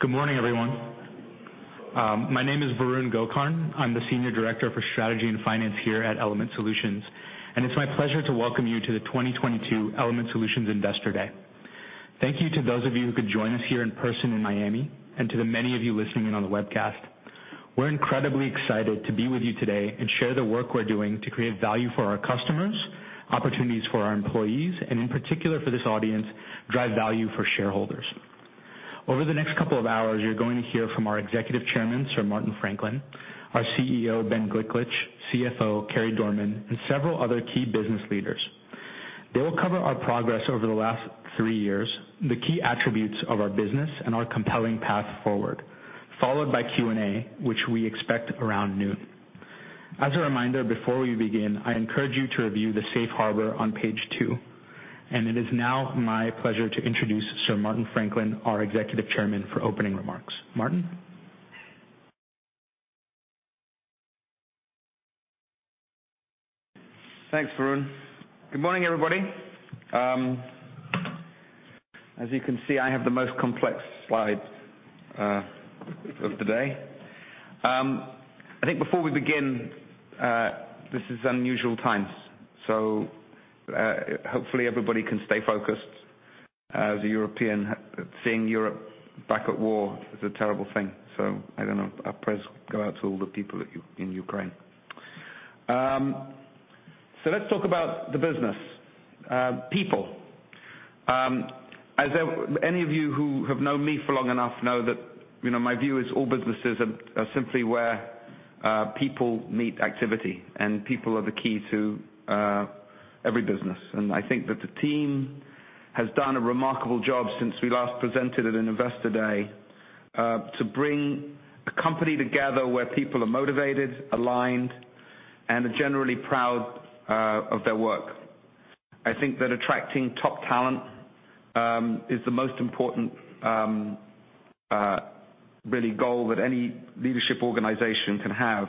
Good morning, everyone. My name is Varun Gokarn. I'm the Senior Director for Strategy and Finance here at Element Solutions. It's my pleasure to welcome you to the 2022 Element Solutions Investor Day. Thank you to those of you who could join us here in person in Miami, and to the many of you listening in on the webcast. We're incredibly excited to be with you today and share the work we're doing to create value for our customers, opportunities for our employees, and in particular for this audience, drive value for shareholders. Over the next couple of hours, you're going to hear from our Executive Chairman, Sir Martin Franklin, our CEO, Ben Gliklich, CFO, Carey Dorman, and several other key business leaders. They will cover our progress over the last three years, the key attributes of our business and our compelling path forward, followed by Q&A, which we expect around noon. As a reminder, before we begin, I encourage you to review the safe harbor on page two. It is now my pleasure to introduce Sir Martin Franklin, our Executive Chairman, for opening remarks. Martin? Thanks, Varun. Good morning, everybody. As you can see, I have the most complex slide of the day. I think before we begin, this is unusual times, so hopefully everybody can stay focused. As a European, seeing Europe back at war is a terrible thing. I don't know. Our prayers go out to all the people in Ukraine. Let's talk about the business. People. As any of you who have known me for long enough know that, you know, my view is all businesses are simply where people meet activity, and people are the key to every business. I think that the team has done a remarkable job since we last presented at Investor Day to bring a company together where people are motivated, aligned, and are generally proud of their work. I think that attracting top talent is the most important really goal that any leadership organization can have.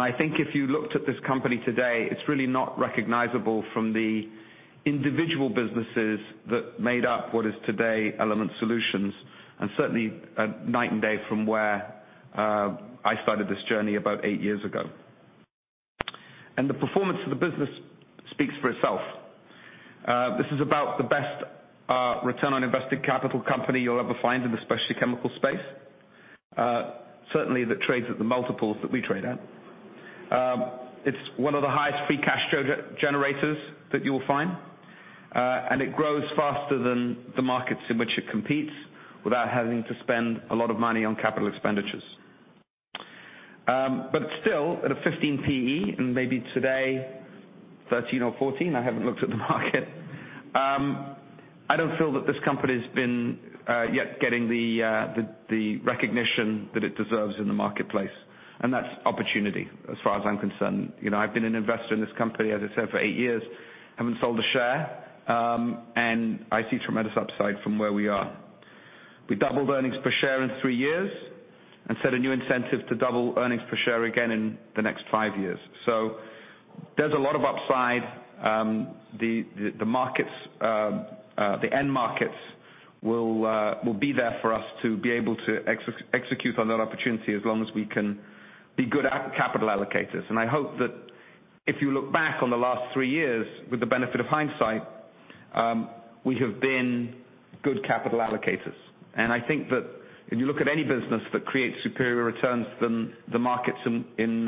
I think if you looked at this company today, it's really not recognizable from the individual businesses that made up what is today Element Solutions and certainly night and day from where I started this journey about eight years ago. The performance of the business speaks for itself. This is about the best return on invested capital company you'll ever find in the specialty chemical space, certainly that trades at the multiples that we trade at. It's one of the highest free cash generators that you will find, and it grows faster than the markets in which it competes without having to spend a lot of money on capital expenditures. Still, at a 15 P/E and maybe today 13 or 14, I haven't looked at the market. I don't feel that this company's been yet getting the recognition that it deserves in the marketplace, and that's opportunity as far as I'm concerned. You know, I've been an investor in this company, as I said, for eight years. Haven't sold a share, and I see tremendous upside from where we are. We doubled earnings per share in three years and set a new incentive to double earnings per share again in the next five years. There's a lot of upside. The end markets will be there for us to be able to execute on that opportunity as long as we can be good at capital allocators. I hope that if you look back on the last three years with the benefit of hindsight, we have been good capital allocators. I think that if you look at any business that creates superior returns than the markets in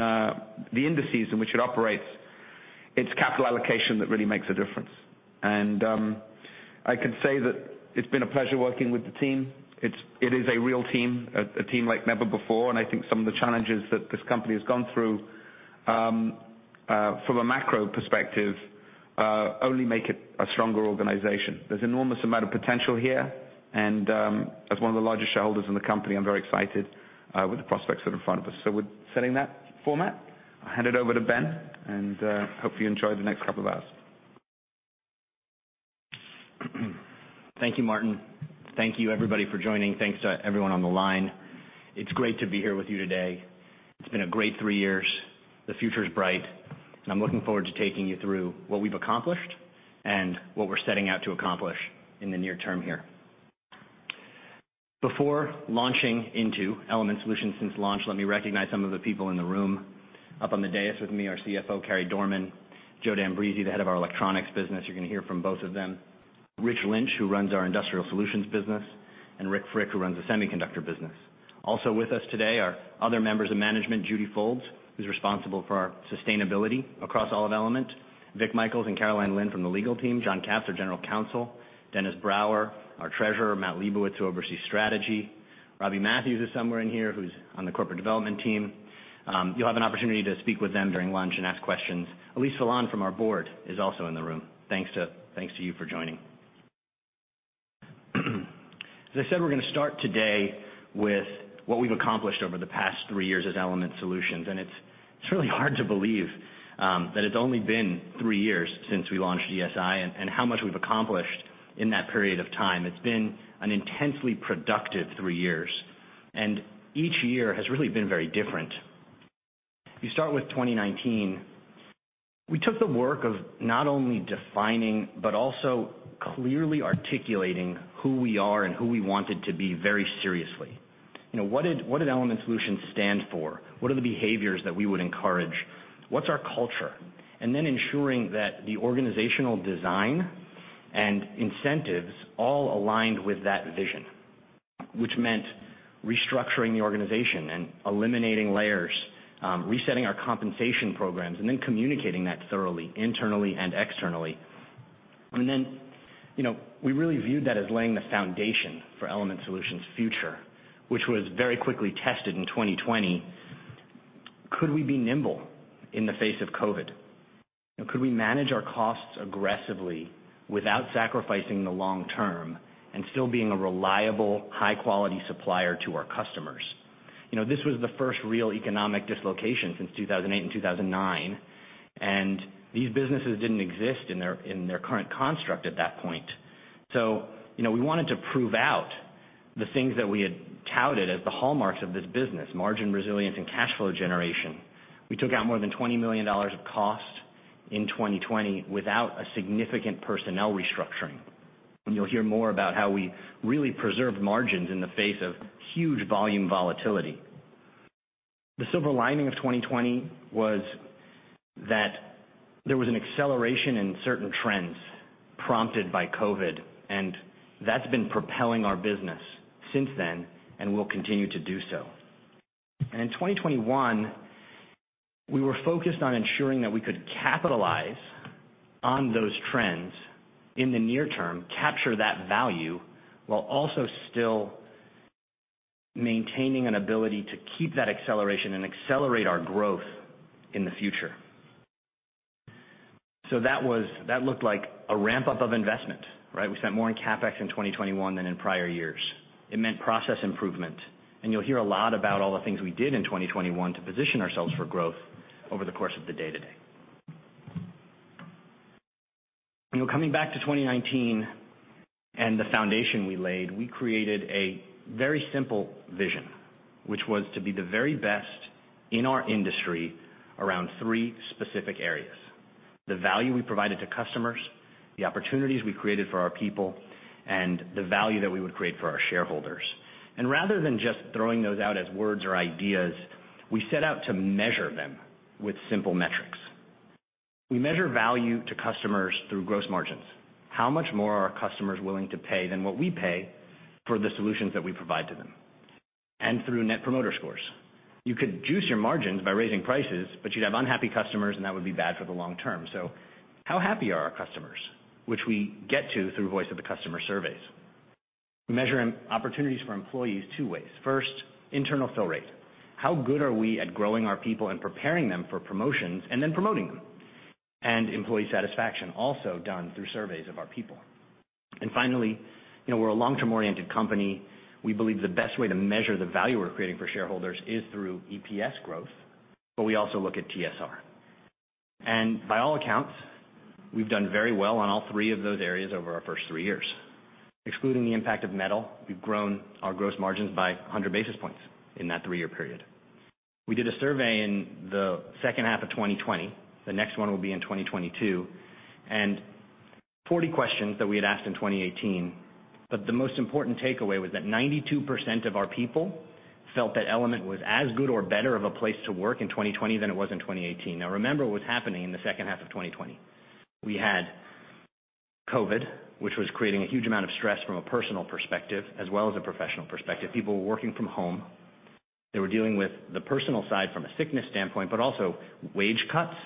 the indices in which it operates, it's capital allocation that really makes a difference. I can say that it's been a pleasure working with the team. It is a real team, a team like never before. I think some of the challenges that this company has gone through from a macro perspective only make it a stronger organization. There's enormous amount of potential here, and as one of the largest shareholders in the company, I'm very excited with the prospects that are in front of us. With setting that format, I'll hand it over to Ben, and hope you enjoy the next couple of hours. Thank you, Martin. Thank you everybody for joining. Thanks to everyone on the line. It's great to be here with you today. It's been a great three years. The future is bright, and I'm looking forward to taking you through what we've accomplished and what we're setting out to accomplish in the near term here. Before launching into Element Solutions since launch, let me recognize some of the people in the room. Up on the dais with me are CFO Carey Dorman, Joe D'Ambrisi, the head of our electronics business. You're gonna hear from both of them. Rich Lynch, who runs our industrial solutions business, and Rick Fricke, who runs the semiconductor business. With us today are other members of management, Judy Foldes, who's responsible for our sustainability across all of Element, Vic Michels and Caroline Lind from the legal team, John Capps, our General Counsel, Denis Brauer, our Treasurer, Matt Liebowitz, who oversees strategy. Robbie Matthews is somewhere in here, who's on the corporate development team. You'll have an opportunity to speak with them during lunch and ask questions. Elyse Napoli from our board is also in the room. Thanks to you for joining. As I said, we're gonna start today with what we've accomplished over the past three years as Element Solutions, and it's really hard to believe that it's only been three years since we launched ESI and how much we've accomplished in that period of time. It's been an intensely productive three years, and each year has really been very different. You start with 2019. We took the work of not only defining but also clearly articulating who we are and who we wanted to be very seriously. You know, what did Element Solutions stand for? What are the behaviors that we would encourage? What's our culture? Then ensuring that the organizational design and incentives all aligned with that vision, which meant restructuring the organization and eliminating layers, resetting our compensation programs, and then communicating that thoroughly, internally and externally. You know, we really viewed that as laying the foundation for Element Solutions' future, which was very quickly tested in 2020. Could we be nimble in the face of COVID? Could we manage our costs aggressively without sacrificing the long term and still being a reliable, high-quality supplier to our customers? You know, this was the first real economic dislocation since 2008 and 2009, and these businesses didn't exist in their current construct at that point. You know, we wanted to prove out the things that we had touted as the hallmarks of this business, margin resilience, and cash flow generation. We took out more than $20 million of cost in 2020 without a significant personnel restructuring. You'll hear more about how we really preserved margins in the face of huge volume volatility. The silver lining of 2020 was that there was an acceleration in certain trends prompted by COVID, and that's been propelling our business since then and will continue to do so. In 2021, we were focused on ensuring that we could capitalize on those trends in the near term, capture that value, while also still maintaining an ability to keep that acceleration and accelerate our growth in the future. That was. That looked like a ramp-up of investment, right? We spent more in CapEx in 2021 than in prior years. It meant process improvement. You'll hear a lot about all the things we did in 2021 to position ourselves for growth over the course of the day today. You know, coming back to 2019 and the foundation we laid, we created a very simple vision, which was to be the very best in our industry around three specific areas, the value we provided to customers, the opportunities we created for our people, and the value that we would create for our shareholders. Rather than just throwing those out as words or ideas, we set out to measure them with simple metrics. We measure value to customers through gross margins. How much more are our customers willing to pay than what we pay for the solutions that we provide to them? Through Net Promoter Scores. You could juice your margins by raising prices, but you'd have unhappy customers, and that would be bad for the long term. How happy are our customers? Which we get to through voice-of-the-customer surveys. Measuring opportunities for employees two ways. First, internal fill rate. How good are we at growing our people and preparing them for promotions, and then promoting them? Employee satisfaction also done through surveys of our people. Finally, you know, we're a long-term oriented company. We believe the best way to measure the value we're creating for shareholders is through EPS growth, but we also look at TSR. By all accounts, we've done very well on all three of those areas over our first three years. Excluding the impact of metal, we've grown our gross margins by 100 basis points in that three-year period. We did a survey in the second half of 2020. The next one will be in 2022. 40 questions that we had asked in 2018, but the most important takeaway was that 92% of our people felt that Element was as good or better a place to work in 2020 than it was in 2018. Now, remember what's happening in the second half of 2020. We had COVID, which was creating a huge amount of stress from a personal perspective as well as a professional perspective. People were working from home. They were dealing with the personal side from a sickness standpoint, but also wage cuts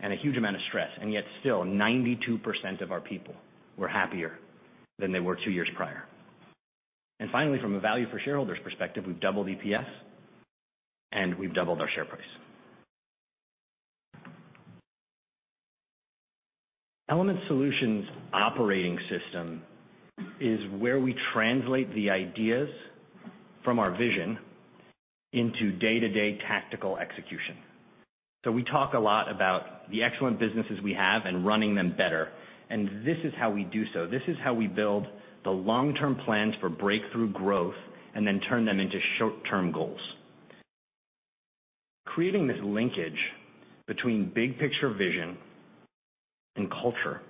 and a huge amount of stress. Yet still, 92% of our people were happier than they were two years prior. Finally, from a value for shareholders perspective, we've doubled EPS and we've doubled our share price. Element Solutions' operating system is where we translate the ideas from our vision into day-to-day tactical execution. We talk a lot about the excellent businesses we have and running them better, and this is how we do so. This is how we build the long-term plans for breakthrough growth and then turn them into short-term goals. Creating this linkage between big picture vision and culture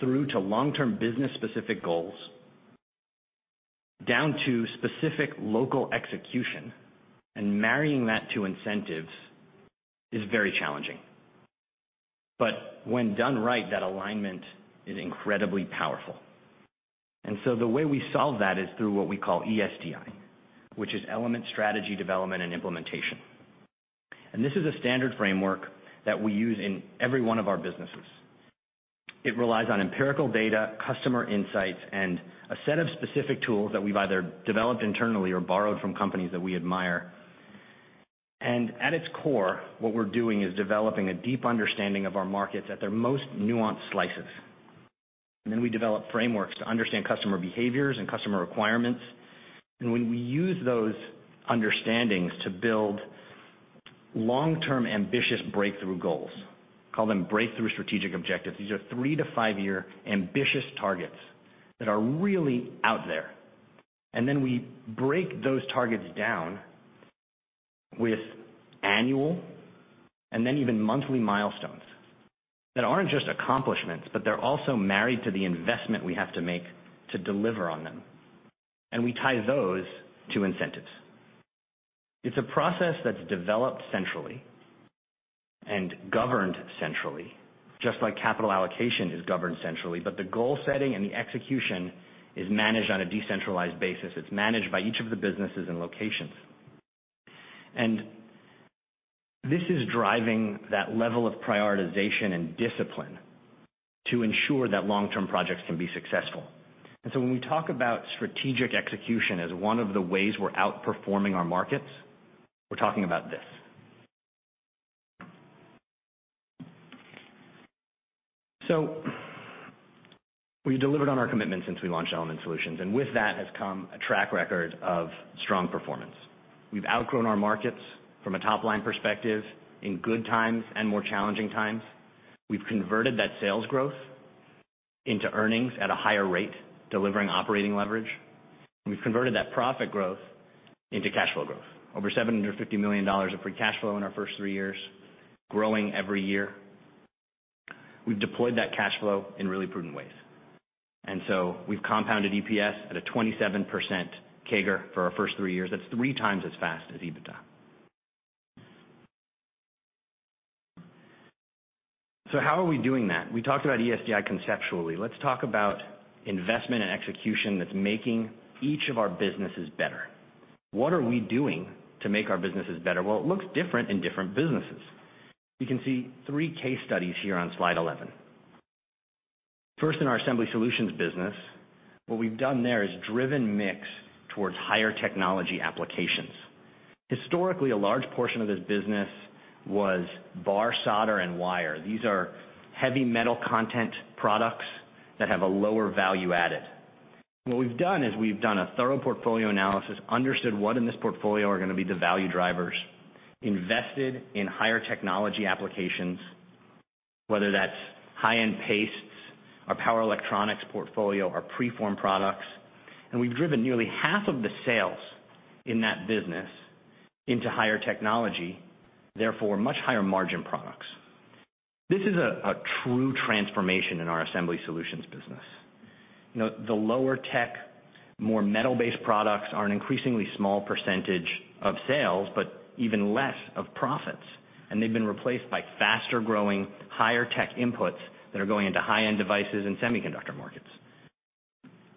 through to long-term business specific goals, down to specific local execution and marrying that to incentives is very challenging. When done right, that alignment is incredibly powerful. The way we solve that is through what we call ESDI, which is Element Strategy Development and Implementation. This is a standard framework that we use in every one of our businesses. It relies on empirical data, customer insights, and a set of specific tools that we've either developed internally or borrowed from companies that we admire. At its core, what we're doing is developing a deep understanding of our markets at their most nuanced slices. Then we develop frameworks to understand customer behaviors and customer requirements. When we use those understandings to build long-term ambitious breakthrough goals, call them breakthrough strategic objectives. These are three to five year ambitious targets that are really out there. We break those targets down with annual and then even monthly milestones that aren't just accomplishments, but they're also married to the investment we have to make to deliver on them. We tie those to incentives. It's a process that's developed centrally and governed centrally, just like capital allocation is governed centrally, but the goal setting and the execution is managed on a decentralized basis. It's managed by each of the businesses and locations. This is driving that level of prioritization and discipline to ensure that long-term projects can be successful. When we talk about strategic execution as one of the ways we're outperforming our markets, we're talking about this. We delivered on our commitment since we launched Element Solutions, and with that has come a track record of strong performance. We've outgrown our markets from a top-line perspective in good times and more challenging times. We've converted that sales growth into earnings at a higher rate, delivering operating leverage. We've converted that profit growth into cash flow growth. Over $750 million of free cash flow in our first three years, growing every year. We've deployed that cash flow in really prudent ways. We've compounded EPS at a 27% CAGR for our first three years. That's three times as fast as EBITDA. How are we doing that? We talked about ESDI conceptually. Let's talk about investment and execution that's making each of our businesses better. What are we doing to make our businesses better? Well, it looks different in different businesses. You can see three case studies here on slide 11. First, in our Assembly Solutions business, what we've done there is driven mix towards higher technology applications. Historically, a large portion of this business was bar solder and wire. These are heavy metal content products that have a lower value added. What we've done is we've done a thorough portfolio analysis, understood what in this portfolio are gonna be the value drivers, invested in higher technology applications, whether that's high-end pastes, our power electronics portfolio, our preformed products, and we've driven nearly half of the sales in that business into higher technology, therefore much higher margin products. This is a true transformation in our Assembly Solutions business. You know, the lower tech, more metal-based products are an increasingly small percentage of sales, but even less of profits. They've been replaced by faster growing, higher tech inputs that are going into high-end devices and semiconductor markets.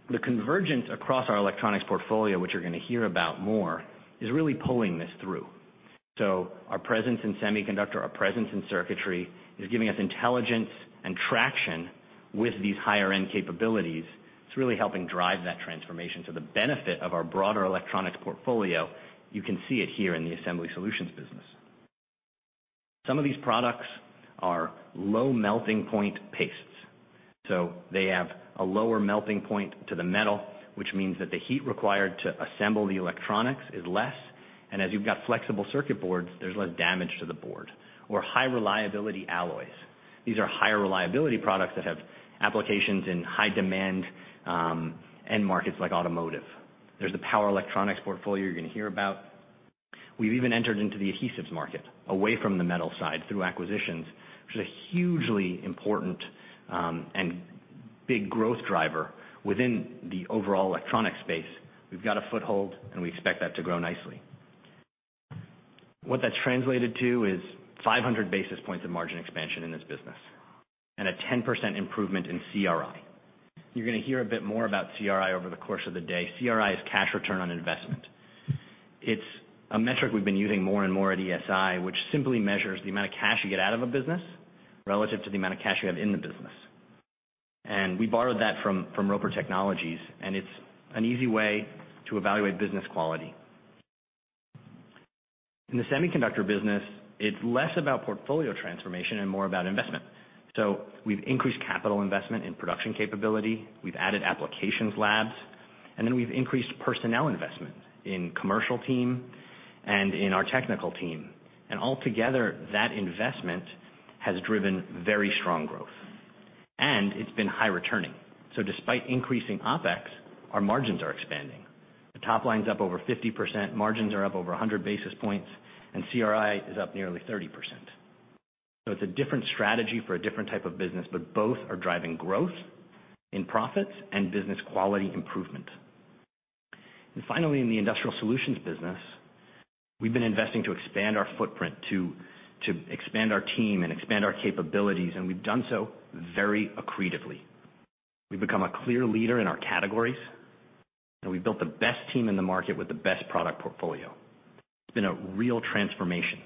The convergence across our electronics portfolio, which you're gonna hear about more, is really pulling this through. Our presence in semiconductor, our presence in circuitry is giving us intelligence and traction with these higher end capabilities. It's really helping drive that transformation to the benefit of our broader electronics portfolio. You can see it here in the Assembly Solutions business. Some of these products are low melting point pastes, so they have a lower melting point to the metal, which means that the heat required to assemble the electronics is less, and as you've got flexible circuit boards, there's less damage to the board. High reliability alloys. These are higher reliability products that have applications in high demand end markets like automotive. There's the power electronics portfolio you're gonna hear about. We've even entered into the adhesives market, away from the metal side through acquisitions, which is a hugely important and big growth driver within the overall electronics space. We've got a foothold, and we expect that to grow nicely. What that's translated to is 500 basis points of margin expansion in this business, and a 10% improvement in CRI. You're gonna hear a bit more about CRI over the course of the day. CRI is cash return on investment. It's a metric we've been using more and more at ESI, which simply measures the amount of cash you get out of a business relative to the amount of cash you have in the business. We borrowed that from Roper Technologies, and it's an easy way to evaluate business quality. In the semiconductor business, it's less about portfolio transformation and more about investment. We've increased capital investment in production capability. We've added applications labs. We've increased personnel investment in commercial team and in our technical team. Altogether, that investment has driven very strong growth. It's been high returning. Despite increasing OpEx, our margins are expanding. The top line's up over 50%, margins are up over 100 basis points, and CRI is up nearly 30%. It's a different strategy for a different type of business, but both are driving growth in profits and business quality improvement. Finally, in the Industrial Solutions business, we've been investing to expand our footprint to expand our team and expand our capabilities, and we've done so very accretively. We've become a clear leader in our categories, and we've built the best team in the market with the best product portfolio. It's been a real transformation.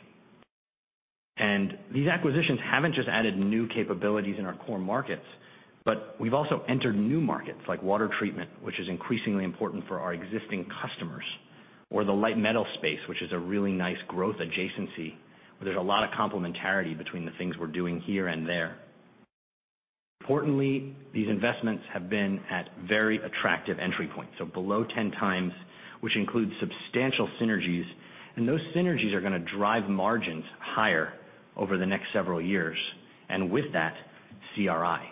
These acquisitions haven't just added new capabilities in our core markets, but we've also entered new markets like water treatment, which is increasingly important for our existing customers. The light metal space, which is a really nice growth adjacency, where there's a lot of complementarity between the things we're doing here and there. Importantly, these investments have been at very attractive entry points, so below 10x, which includes substantial synergies, and those synergies are gonna drive margins higher over the next several years, and with that, CRI.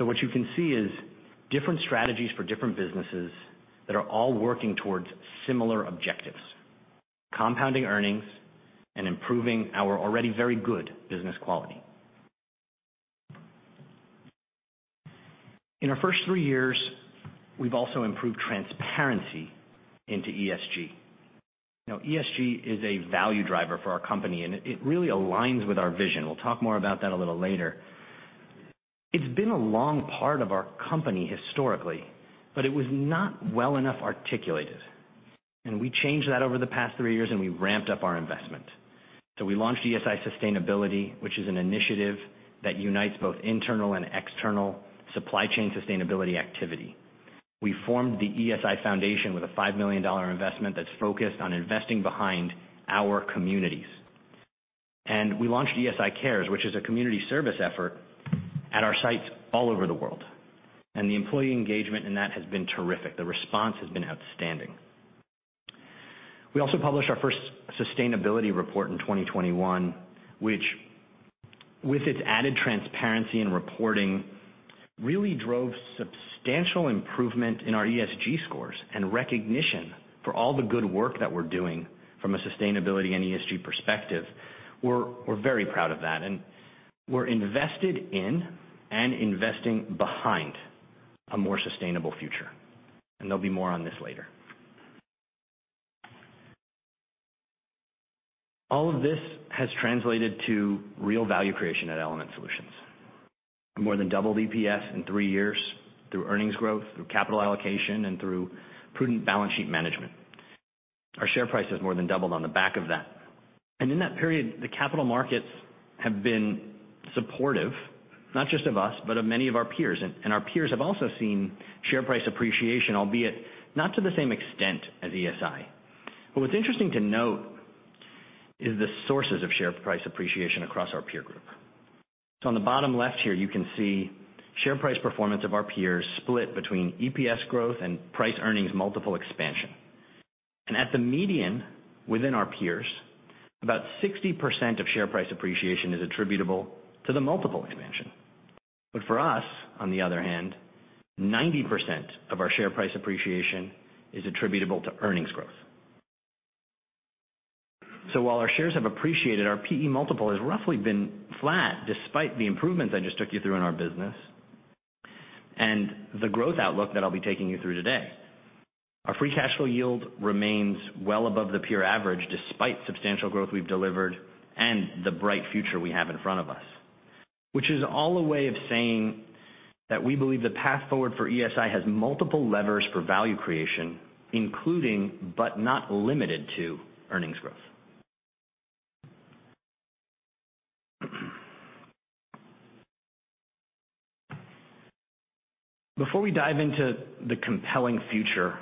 What you can see is different strategies for different businesses that are all working towards similar objectives, compounding earnings and improving our already very good business quality. In our first three years, we've also improved transparency into ESG. Now, ESG is a value driver for our company, and it really aligns with our vision. We'll talk more about that a little later. It's been a long part of our company historically, but it was not well enough articulated, and we changed that over the past three years, and we ramped up our investment. We launched ESI Sustainability, which is an initiative that unites both internal and external supply chain sustainability activity. We formed the ESI Foundation with a $5 million investment that's focused on investing behind our communities. We launched ESI Cares, which is a community service effort at our sites all over the world, and the employee engagement in that has been terrific. The response has been outstanding. We also published our first sustainability report in 2021, which, with its added transparency in reporting, really drove substantial improvement in our ESG scores and recognition for all the good work that we're doing from a sustainability and ESG perspective. We're very proud of that, and we're invested in and investing behind a more sustainable future, and there'll be more on this later. All of this has translated to real value creation at Element Solutions. More than doubled EPS in three years through earnings growth, through capital allocation, and through prudent balance sheet management. Our share price has more than doubled on the back of that. In that period, the capital markets have been supportive, not just of us, but of many of our peers, and our peers have also seen share price appreciation, albeit not to the same extent as ESI. What's interesting to note is the sources of share price appreciation across our peer group. On the bottom left here, you can see share price performance of our peers split between EPS growth and price earnings multiple expansion. At the median within our peers, about 60% of share price appreciation is attributable to the multiple expansion. For us, on the other hand, 90% of our share price appreciation is attributable to earnings growth. While our shares have appreciated, our PE multiple has roughly been flat despite the improvements I just took you through in our business and the growth outlook that I'll be taking you through today. Our free cash flow yield remains well above the peer average despite substantial growth we've delivered and the bright future we have in front of us. Which is all a way of saying that we believe the path forward for ESI has multiple levers for value creation, including, but not limited to earnings growth. Before we dive into the compelling future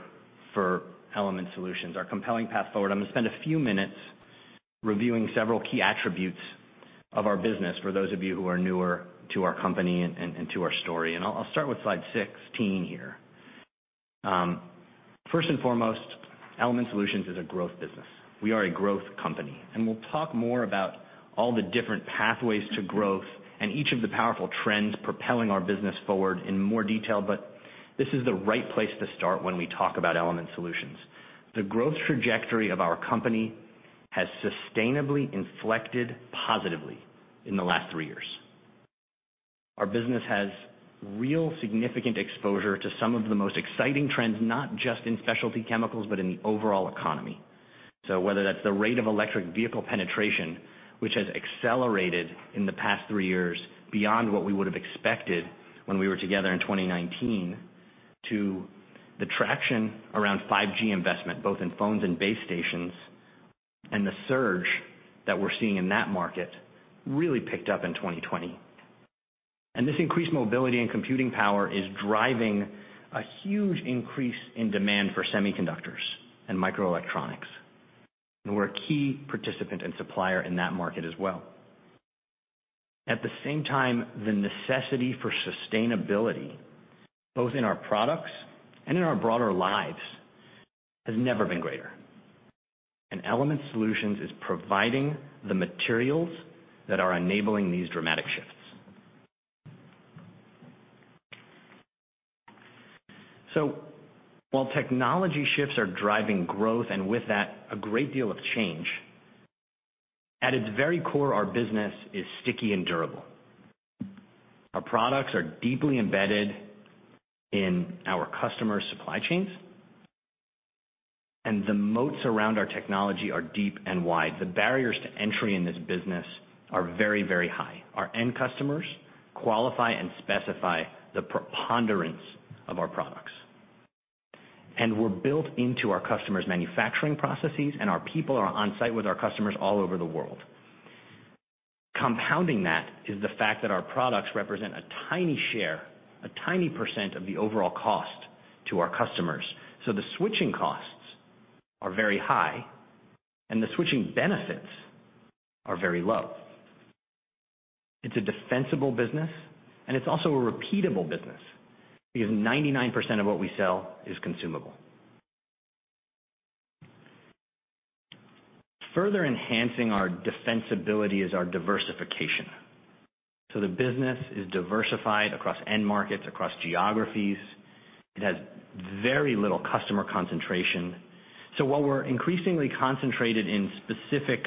for Element Solutions, our compelling path forward, I'm gonna spend a few minutes reviewing several key attributes of our business for those of you who are newer to our company and to our story, and I'll start with slide 16 here. First and foremost, Element Solutions is a growth business. We are a growth company, and we'll talk more about all the different pathways to growth and each of the powerful trends propelling our business forward in more detail, but this is the right place to start when we talk about Element Solutions. The growth trajectory of our company has sustainably inflected positively in the last three years. Our business has real significant exposure to some of the most exciting trends, not just in specialty chemicals, but in the overall economy. Whether that's the rate of electric vehicle penetration, which has accelerated in the past three years beyond what we would have expected when we were together in 2019, to the traction around 5G investment, both in phones and base stations, and the surge that we're seeing in that market really picked up in 2020. This increased mobility and computing power is driving a huge increase in demand for semiconductors and microelectronics. We're a key participant and supplier in that market as well. At the same time, the necessity for sustainability, both in our products and in our broader lives, has never been greater. Element Solutions is providing the materials that are enabling these dramatic shifts. While technology shifts are driving growth, and with that, a great deal of change, at its very core, our business is sticky and durable. Our products are deeply embedded in our customer supply chains, and the moats around our technology are deep and wide. The barriers to entry in this business are very, very high. Our end customers qualify and specify the preponderance of our products. We're built into our customers' manufacturing processes, and our people are on-site with our customers all over the world. Compounding that is the fact that our products represent a tiny share, a tiny percent of the overall cost to our customers. The switching costs are very high, and the switching benefits are very low. It's a defensible business, and it's also a repeatable business because 99% of what we sell is consumable. Further enhancing our defensibility is our diversification. The business is diversified across end markets, across geographies. It has very little customer concentration. While we're increasingly concentrated in specific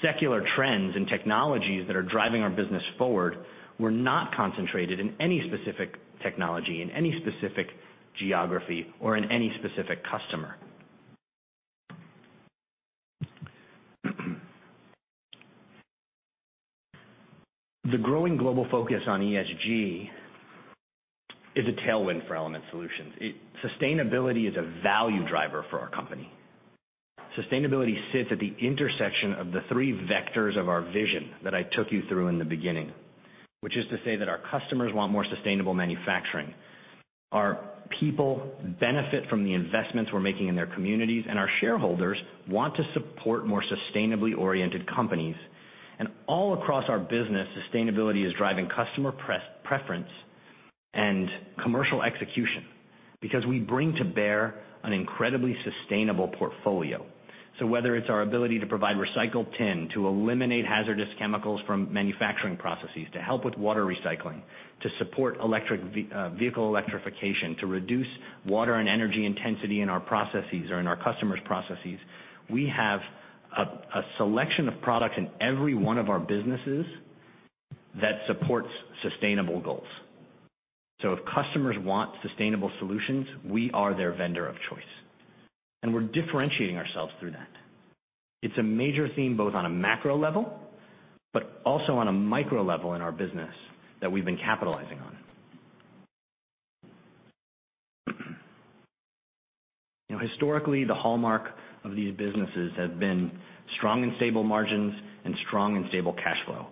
secular trends and technologies that are driving our business forward, we're not concentrated in any specific technology, in any specific geography, or in any specific customer. The growing global focus on ESG is a tailwind for Element Solutions. Sustainability is a value driver for our company. Sustainability sits at the intersection of the three vectors of our vision that I took you through in the beginning, which is to say that our customers want more sustainable manufacturing. Our people benefit from the investments we're making in their communities, and our shareholders want to support more sustainably oriented companies. All across our business, sustainability is driving customer preference and commercial execution because we bring to bear an incredibly sustainable portfolio. Whether it's our ability to provide recycled tin, to eliminate hazardous chemicals from manufacturing processes, to help with water recycling, to support electric vehicle electrification, to reduce water and energy intensity in our processes or in our customers' processes, we have a selection of products in every one of our businesses that supports sustainable goals. If customers want sustainable solutions, we are their vendor of choice, and we're differentiating ourselves through that. It's a major theme, both on a macro level, but also on a micro level in our business that we've been capitalizing on. Now historically, the hallmark of these businesses have been strong and stable margins and strong and stable cash flow.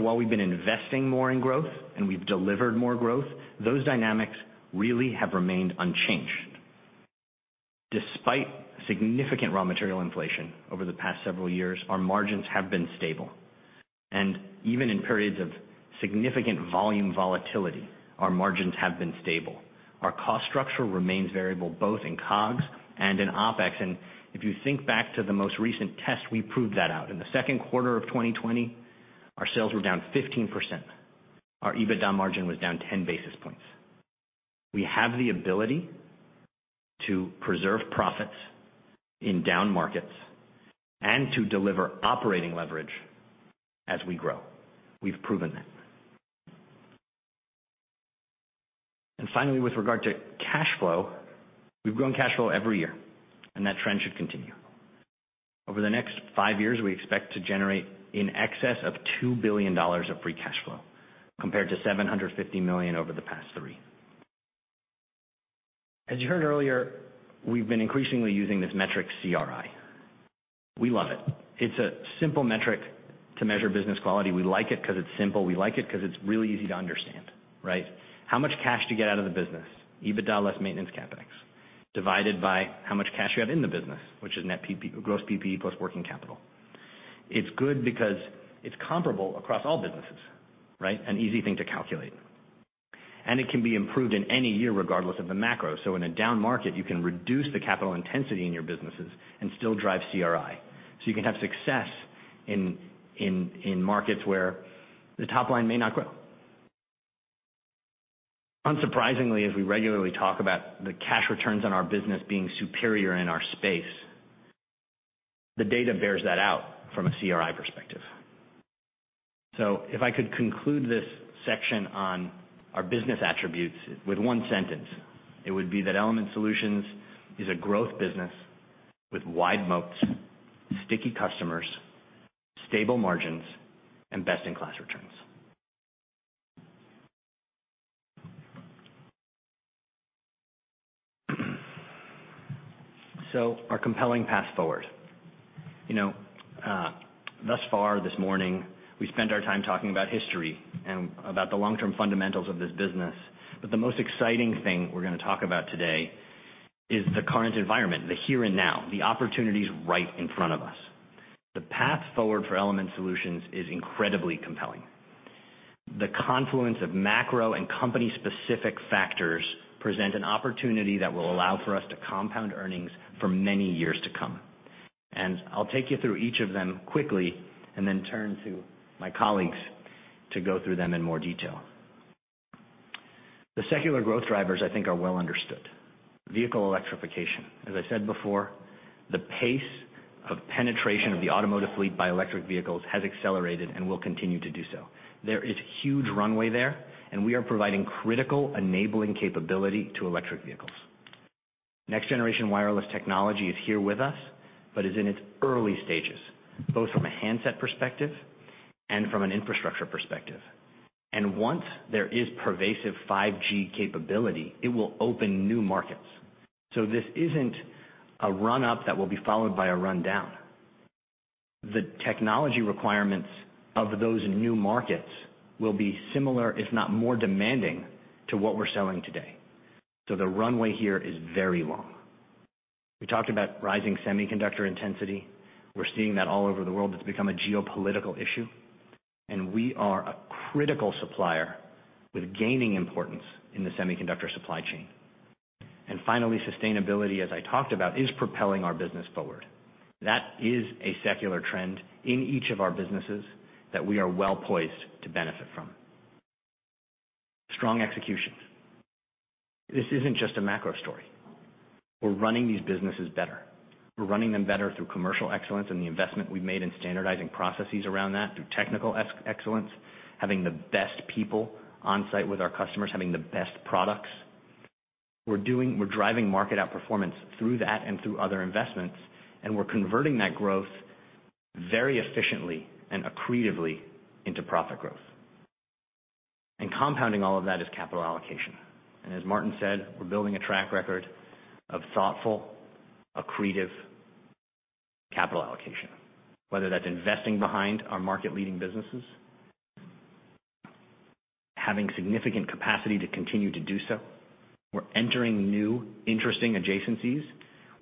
While we've been investing more in growth and we've delivered more growth, those dynamics really have remained unchanged. Despite significant raw material inflation over the past several years, our margins have been stable. Even in periods of significant volume volatility, our margins have been stable. Our cost structure remains variable both in COGS and in OpEx. If you think back to the most recent test, we proved that out. In the second quarter of 2020, our sales were down 15%. Our EBITDA margin was down 10 basis points. We have the ability to preserve profits in down markets and to deliver operating leverage as we grow. We've proven that. Finally, with regard to cash flow, we've grown cash flow every year, and that trend should continue. Over the next five years, we expect to generate in excess of $2 billion of free cash flow compared to $750 million over the past three. As you heard earlier, we've been increasingly using this metric CRI. We love it. It's a simple metric to measure business quality. We like it 'cause it's simple. We like it 'cause it's really easy to understand, right? How much cash do you get out of the business? EBITDA less maintenance CapEx, divided by how much cash you have in the business, which is gross PPE plus working capital. It's good because it's comparable across all businesses, right? An easy thing to calculate. It can be improved in any year, regardless of the macro. In a down market, you can reduce the capital intensity in your businesses and still drive CRI. You can have success in markets where the top line may not grow. Unsurprisingly, as we regularly talk about the cash returns on our business being superior in our space, the data bears that out from a CRI perspective. If I could conclude this section on our business attributes with one sentence, it would be that Element Solutions is a growth business with wide moats, sticky customers, stable margins, and best-in-class returns. Our compelling path forward. You know, thus far this morning, we spent our time talking about history and about the long-term fundamentals of this business, but the most exciting thing we're gonna talk about today is the current environment, the here and now, the opportunities right in front of us. The path forward for Element Solutions is incredibly compelling. The confluence of macro and company-specific factors present an opportunity that will allow for us to compound earnings for many years to come. I'll take you through each of them quickly and then turn to my colleagues to go through them in more detail. The secular growth drivers, I think, are well understood. Vehicle electrification. As I said before, the pace of penetration of the automotive fleet by electric vehicles has accelerated and will continue to do so. There is huge runway there, and we are providing critical enabling capability to electric vehicles. Next-generation wireless technology is here with us, but is in its early stages, both from a handset perspective and from an infrastructure perspective. Once there is pervasive 5G capability, it will open new markets. This isn't a run-up that will be followed by a rundown. The technology requirements of those new markets will be similar, if not more demanding, to what we're selling today. The runway here is very long. We talked about rising semiconductor intensity. We're seeing that all over the world. It's become a geopolitical issue, and we are a critical supplier with gaining importance in the semiconductor supply chain. Finally, sustainability, as I talked about, is propelling our business forward. That is a secular trend in each of our businesses that we are well-poised to benefit from. Strong executions. This isn't just a macro story. We're running these businesses better. We're running them better through commercial excellence and the investment we've made in standardizing processes around that through technical excellence, having the best people on site with our customers, having the best products. We're driving market outperformance through that and through other investments, and we're converting that growth very efficiently and accretively into profit growth. Compounding all of that is capital allocation. As Martin said, we're building a track record of thoughtful, accretive capital allocation, whether that's investing behind our market-leading businesses, having significant capacity to continue to do so. We're entering new, interesting adjacencies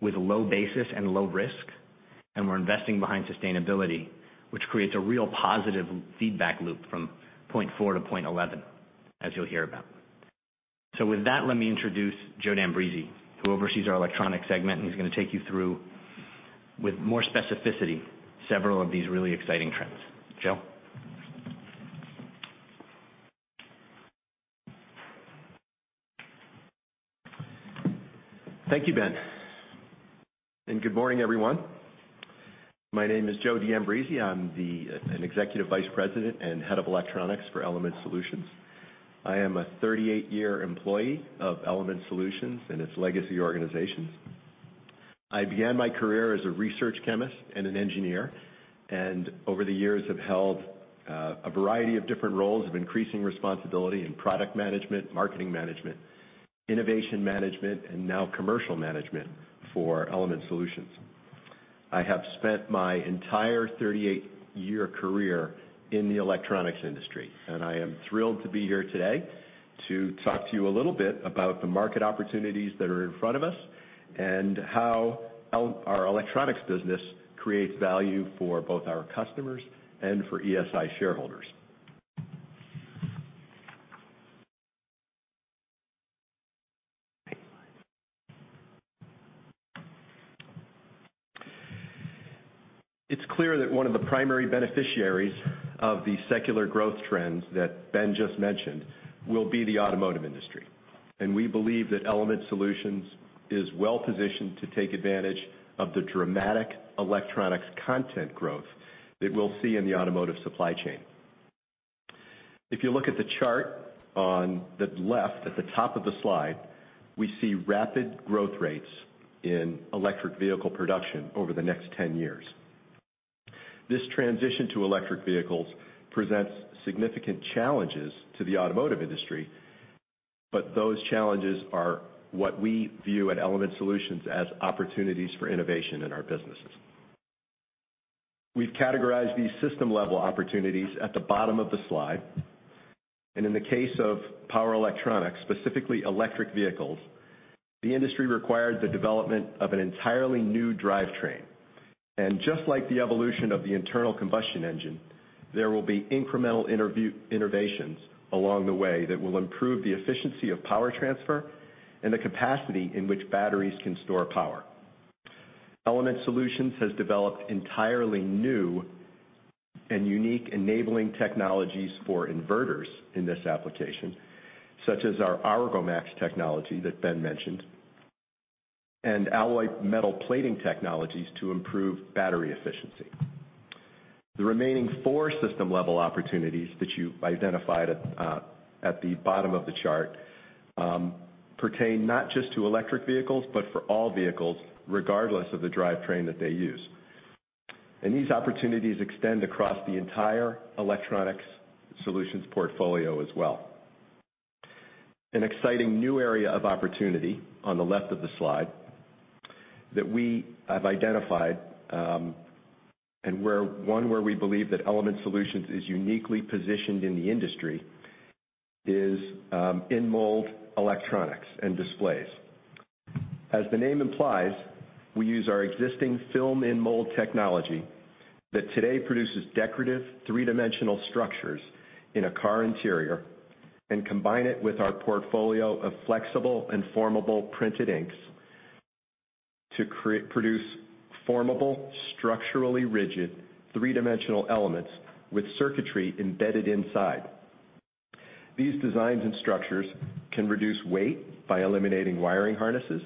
with low basis and low risk, and we're investing behind sustainability, which creates a real positive feedback loop from point four to point eleven, as you'll hear about. With that, let me introduce Joe D'Ambrisi, who oversees our Electronics segment, and he's gonna take you through, with more specificity, several of these really exciting trends. Joe? Thank you, Ben. Good morning, everyone. My name is Joe D'Ambrisi. I'm an Executive Vice President and Head of Electronics for Element Solutions. I am a 38-year employee of Element Solutions and its legacy organizations. I began my career as a research chemist and an engineer, and over the years have held a variety of different roles of increasing responsibility in product management, marketing management, innovation management, and now commercial management for Element Solutions. I have spent my entire 38-year career in the electronics industry, and I am thrilled to be here today to talk to you a little bit about the market opportunities that are in front of us and how our electronics business creates value for both our customers and for ESI shareholders. It's clear that one of the primary beneficiaries of the secular growth trends that Ben just mentioned will be the automotive industry, and we believe that Element Solutions is well-positioned to take advantage of the dramatic electronics content growth that we'll see in the automotive supply chain. If you look at the chart on the left at the top of the slide, we see rapid growth rates in electric vehicle production over the next 10 years. This transition to electric vehicles presents significant challenges to the automotive industry, but those challenges are what we view at Element Solutions as opportunities for innovation in our businesses. We've categorized these system-level opportunities at the bottom of the slide, and in the case of power electronics, specifically electric vehicles, the industry requires the development of an entirely new drivetrain. Just like the evolution of the internal combustion engine, there will be incremental innovations along the way that will improve the efficiency of power transfer and the capacity in which batteries can store power. Element Solutions has developed entirely new and unique enabling technologies for inverters in this application, such as our Argomax technology that Ben mentioned, and alloy metal plating technologies to improve battery efficiency. The remaining four system-level opportunities that you identified at the bottom of the chart pertain not just to electric vehicles, but for all vehicles, regardless of the drivetrain that they use. These opportunities extend across the entire Electronics Solutions portfolio as well. An exciting new area of opportunity on the left of the slide that we have identified, one where we believe that Element Solutions is uniquely positioned in the industry is in-mold electronics and displays. As the name implies, we use our existing film in-mold technology that today produces decorative three-dimensional structures in a car interior and combine it with our portfolio of flexible and formable printed inks to produce formable, structurally rigid, three-dimensional elements with circuitry embedded inside. These designs and structures can reduce weight by eliminating wiring harnesses,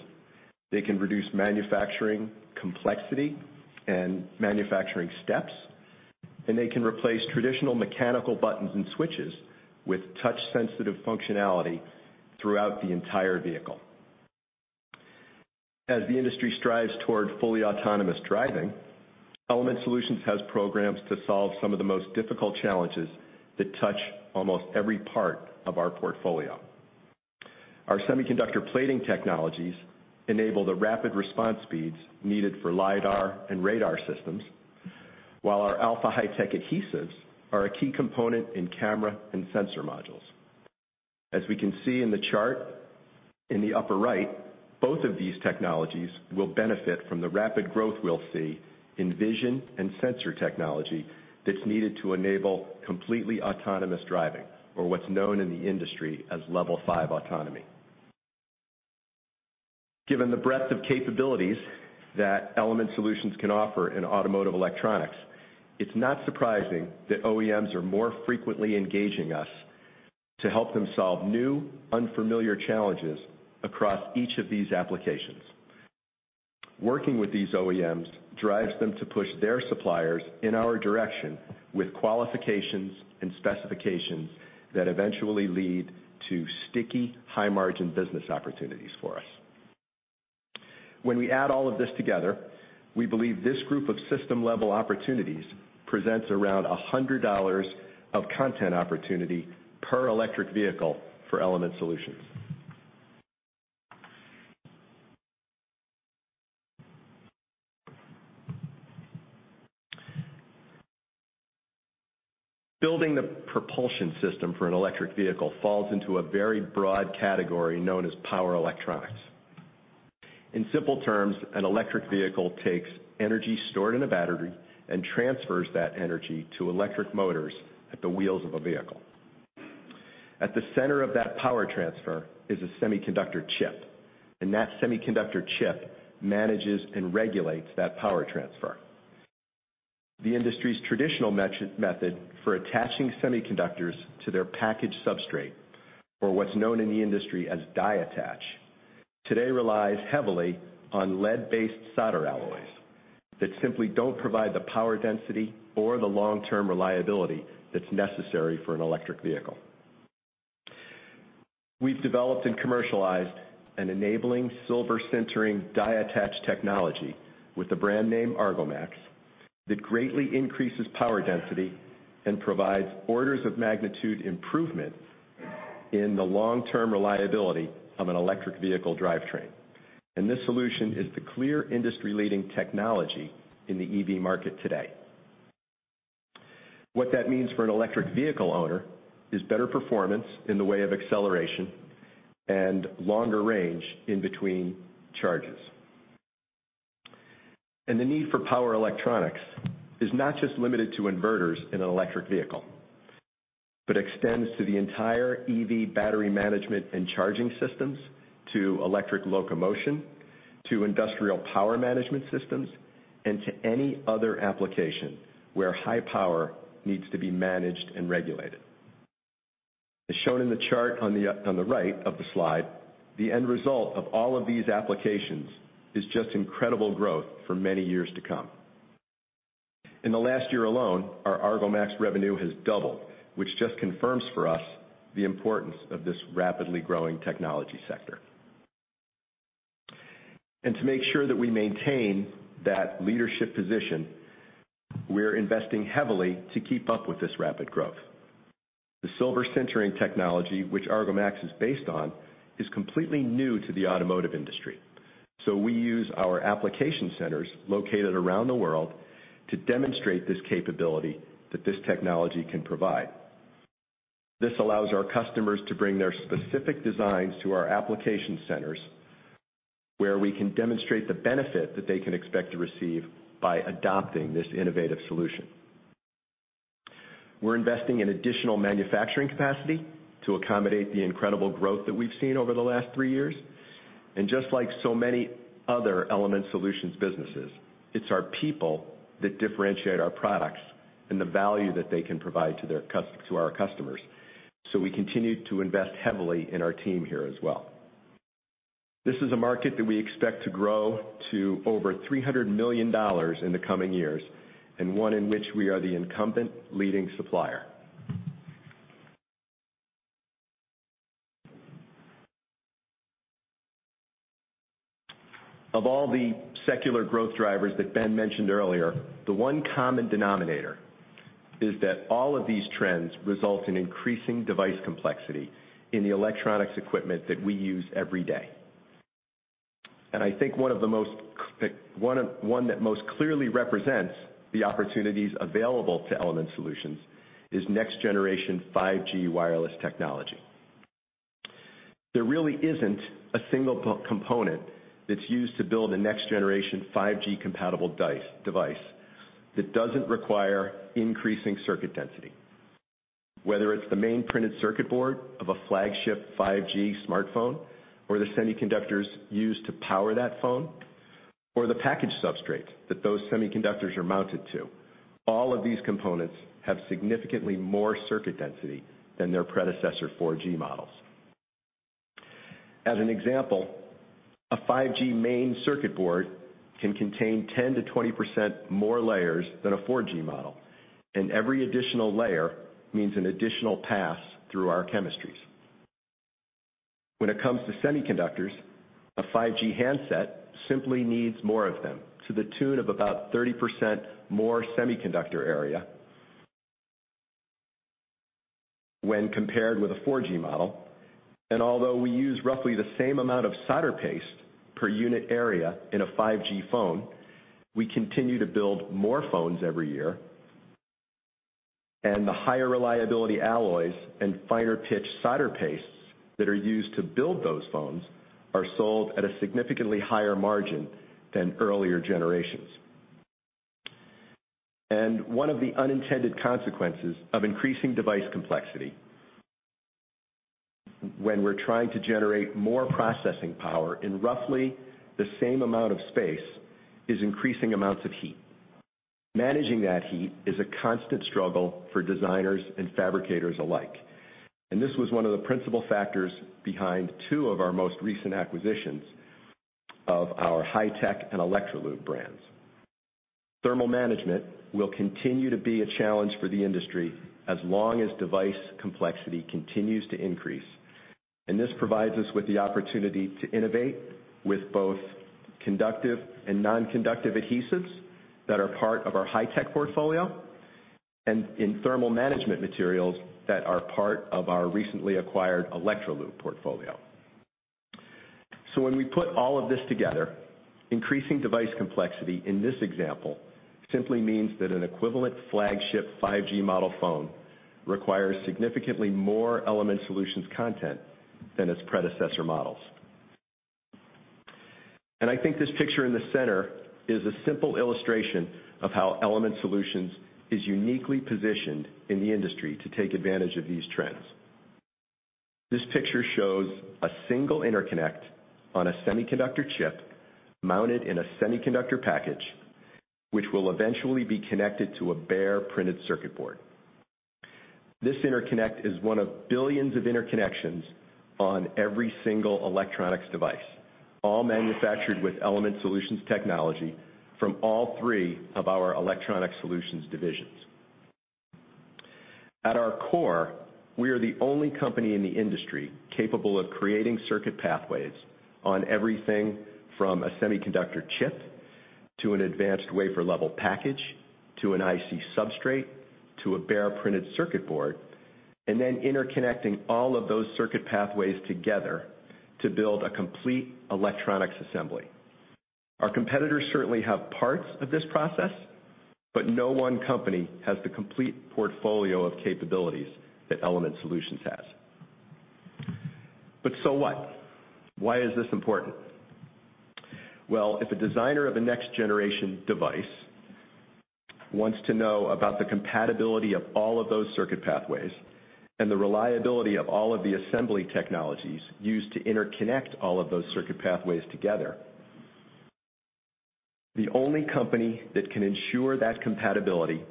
they can reduce manufacturing complexity and manufacturing steps, and they can replace traditional mechanical buttons and switches with touch-sensitive functionality throughout the entire vehicle. As the industry strives toward fully autonomous driving, Element Solutions has programs to solve some of the most difficult challenges that touch almost every part of our portfolio. Our semiconductor plating technologies enable the rapid response speeds needed for LIDAR and radar systems, while our ALPHA HiTech adhesives are a key component in camera and sensor modules. As we can see in the chart in the upper right, both of these technologies will benefit from the rapid growth we'll see in vision and sensor technology that's needed to enable completely autonomous driving or what's known in the industry as level five autonomy. Given the breadth of capabilities that Element Solutions can offer in automotive electronics, it's not surprising that OEMs are more frequently engaging us to help them solve new, unfamiliar challenges across each of these applications. Working with these OEMs drives them to push their suppliers in our direction with qualifications and specifications that eventually lead to sticky, high-margin business opportunities for us. When we add all of this together, we believe this group of system-level opportunities presents around $100 of content opportunity per electric vehicle for Element Solutions. Building the propulsion system for an electric vehicle falls into a very broad category known as power electronics. In simple terms, an electric vehicle takes energy stored in a battery and transfers that energy to electric motors at the wheels of a vehicle. At the center of that power transfer is a semiconductor chip, and that semiconductor chip manages and regulates that power transfer. The industry's traditional method for attaching semiconductors to their packaged substrate, or what's known in the industry as die-attach, today relies heavily on lead-based solder alloys that simply don't provide the power density or the long-term reliability that's necessary for an electric vehicle. We've developed and commercialized an enabling silver sintering die-attach technology with a brand name Argomax that greatly increases power density and provides orders of magnitude improvement in the long-term reliability of an electric vehicle drivetrain. This solution is the clear industry-leading technology in the EV market today. What that means for an electric vehicle owner is better performance in the way of acceleration and longer range in between charges. The need for power electronics is not just limited to inverters in an electric vehicle, but extends to the entire EV battery management and charging systems, to electric locomotion, to industrial power management systems, and to any other application where high power needs to be managed and regulated. As shown in the chart on the right of the slide, the end result of all of these applications is just incredible growth for many years to come. In the last year alone, our Argomax revenue has doubled, which just confirms for us the importance of this rapidly growing technology sector. To make sure that we maintain that leadership position, we're investing heavily to keep up with this rapid growth. The silver-sintering technology, which Argomax is based on, is completely new to the automotive industry. We use our application centers located around the world to demonstrate this capability that this technology can provide. This allows our customers to bring their specific designs to our application centers, where we can demonstrate the benefit that they can expect to receive by adopting this innovative solution. We're investing in additional manufacturing capacity to accommodate the incredible growth that we've seen over the last three years. Just like so many other Element Solutions businesses, it's our people that differentiate our products and the value that they can provide to our customers. We continue to invest heavily in our team here as well. This is a market that we expect to grow to over $300 million in the coming years and one in which we are the incumbent leading supplier. Of all the secular growth drivers that Ben mentioned earlier, the one common denominator is that all of these trends result in increasing device complexity in the electronics equipment that we use every day. I think one that most clearly represents the opportunities available to Element Solutions is next-generation 5G wireless technology. There really isn't a single passive component that's used to build a next-generation 5G-compatible device that doesn't require increasing circuit density. Whether it's the main printed circuit board of a flagship 5G smartphone, or the semiconductors used to power that phone, or the package substrate that those semiconductors are mounted to, all of these components have significantly more circuit density than their predecessor 4G models. As an example, a 5G main circuit board can contain 10%-20% more layers than a 4G model, and every additional layer means an additional pass through our chemistries. When it comes to semiconductors, a 5G handset simply needs more of them to the tune of about 30% more semiconductor area when compared with a 4G model. Although we use roughly the same amount of solder paste per unit area in a 5G phone, we continue to build more phones every year. The higher reliability alloys and finer pitch solder pastes that are used to build those phones are sold at a significantly higher margin than earlier generations. One of the unintended consequences of increasing device complexity when we're trying to generate more processing power in roughly the same amount of space is increasing amounts of heat. Managing that heat is a constant struggle for designers and fabricators alike. This was one of the principal factors behind two of our most recent acquisitions of our HiTech and Electrolube brands. Thermal management will continue to be a challenge for the industry as long as device complexity continues to increase. This provides us with the opportunity to innovate with both conductive and non-conductive adhesives that are part of our HiTech portfolio and in thermal management materials that are part of our recently acquired Electrolube portfolio. When we put all of this together, increasing device complexity in this example simply means that an equivalent flagship 5G model phone requires significantly more Element Solutions content than its predecessor models. I think this picture in the center is a simple illustration of how Element Solutions is uniquely positioned in the industry to take advantage of these trends. This picture shows a single interconnect on a semiconductor chip mounted in a semiconductor package, which will eventually be connected to a bare printed circuit board. This interconnect is one of billions of interconnections on every single electronics device, all manufactured with Element Solutions technology from all three of our Electronics Solutions divisions. At our core, we are the only company in the industry capable of creating circuit pathways on everything from a semiconductor chip to an advanced wafer-level package to an IC substrate to a bare printed circuit board, and then interconnecting all of those circuit pathways together to build a complete electronics assembly. Our competitors certainly have parts of this process, but no one company has the complete portfolio of capabilities that Element Solutions has. So what? Why is this important? Well, if a designer of a next-generation device wants to know about the compatibility of all of those circuit pathways and the reliability of all of the assembly technologies used to interconnect all of those circuit pathways together, the only company that can ensure that compatibility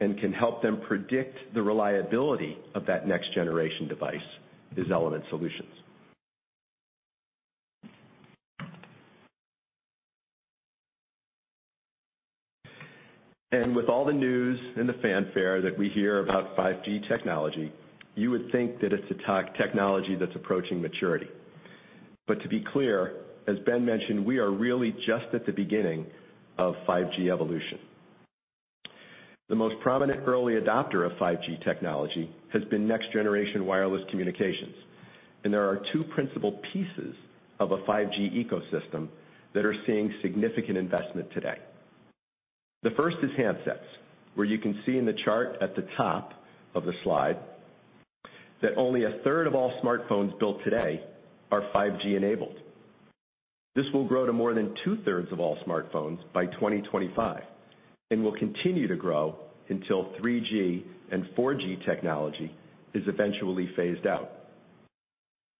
and can help them predict the reliability of that next-generation device is Element Solutions. With all the news and the fanfare that we hear about 5G technology, you would think that it's a technology that's approaching maturity. To be clear, as Ben mentioned, we are really just at the beginning of 5G evolution. The most prominent early adopter of 5G technology has been next-generation wireless communications, and there are two principal pieces of a 5G ecosystem that are seeing significant investment today. The first is handsets, where you can see in the chart at the top of the slide that only 1/3 of all smartphones built today are 5G-enabled. This will grow to more than 2/3 of all smartphones by 2025 and will continue to grow until 3G and 4G technology is eventually phased out.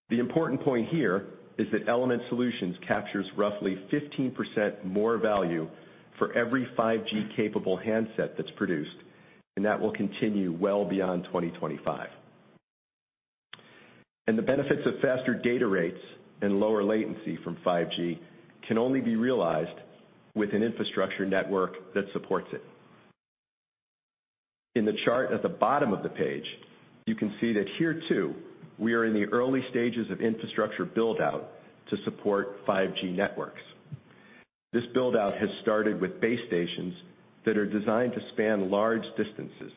The important point here is that Element Solutions captures roughly 15% more value for every 5G-capable handset that's produced, and that will continue well beyond 2025. The benefits of faster data rates and lower latency from 5G can only be realized with an infrastructure network that supports it. In the chart at the bottom of the page, you can see that here too, we are in the early stages of infrastructure build-out to support 5G networks. This build-out has started with base stations that are designed to span large distances,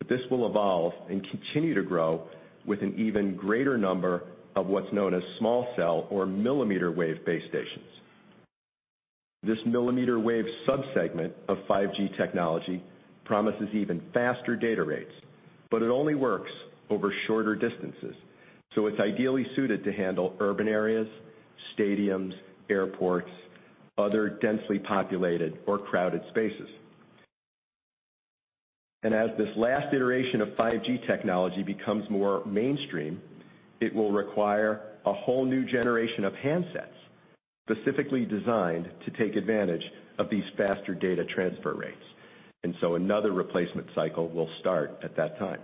but this will evolve and continue to grow with an even greater number of what's known as small cell or millimeter wave base stations. This millimeter wave sub-segment of 5G technology promises even faster data rates, but it only works over shorter distances, so it's ideally suited to handle urban areas, stadiums, airports, other densely populated or crowded spaces. As this last iteration of 5G technology becomes more mainstream, it will require a whole new generation of handsets specifically designed to take advantage of these faster data transfer rates. Another replacement cycle will start at that time.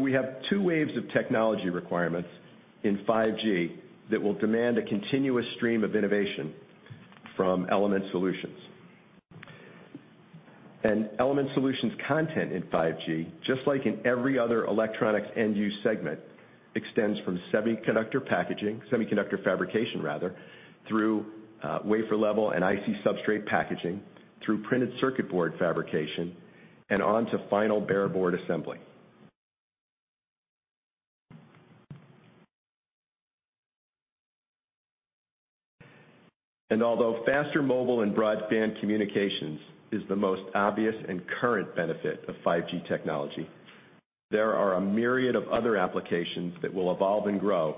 We have two waves of technology requirements in 5G that will demand a continuous stream of innovation from Element Solutions. Element Solutions content in 5G, just like in every other electronics end-use segment, extends from semiconductor packaging, semiconductor fabrication rather, through wafer-level and IC substrate packaging, through printed circuit board fabrication, and on to final bare board assembly. Although faster mobile and broadband communications is the most obvious and current benefit of 5G technology, there are a myriad of other applications that will evolve and grow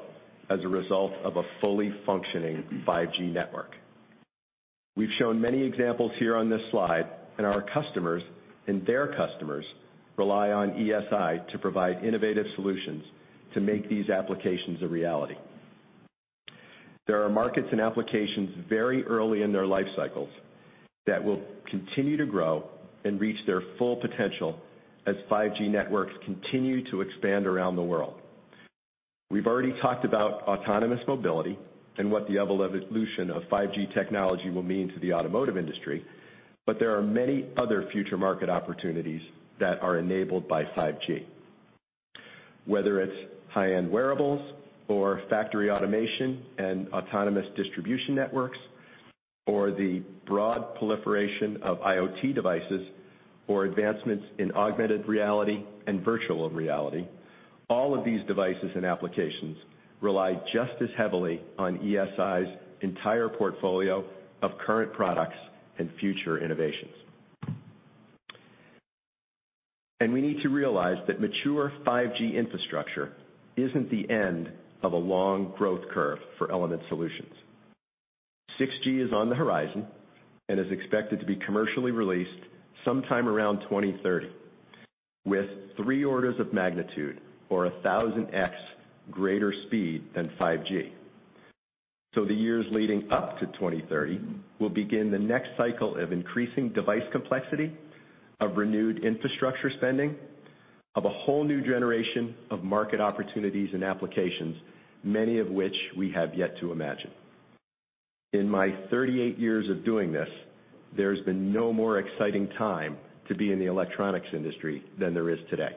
as a result of a fully functioning 5G network. We've shown many examples here on this slide, and our customers and their customers rely on ESI to provide innovative solutions to make these applications a reality. There are markets and applications very early in their life cycles that will continue to grow and reach their full potential as 5G networks continue to expand around the world. We've already talked about autonomous mobility and what the evolution of 5G technology will mean to the automotive industry, but there are many other future market opportunities that are enabled by 5G. Whether it's high-end wearables or factory automation and autonomous distribution networks, or the broad proliferation of IoT devices or advancements in augmented reality and virtual reality, all of these devices and applications rely just as heavily on ESI's entire portfolio of current products and future innovations. We need to realize that mature 5G infrastructure isn't the end of a long growth curve for Element Solutions. 6G is on the horizon and is expected to be commercially released sometime around 2030, with three orders of magnitude or 1000x greater speed than 5G. The years leading up to 2030 will begin the next cycle of increasing device complexity, of renewed infrastructure spending, of a whole new generation of market opportunities and applications, many of which we have yet to imagine. In my 38 years of doing this, there's been no more exciting time to be in the electronics industry than there is today.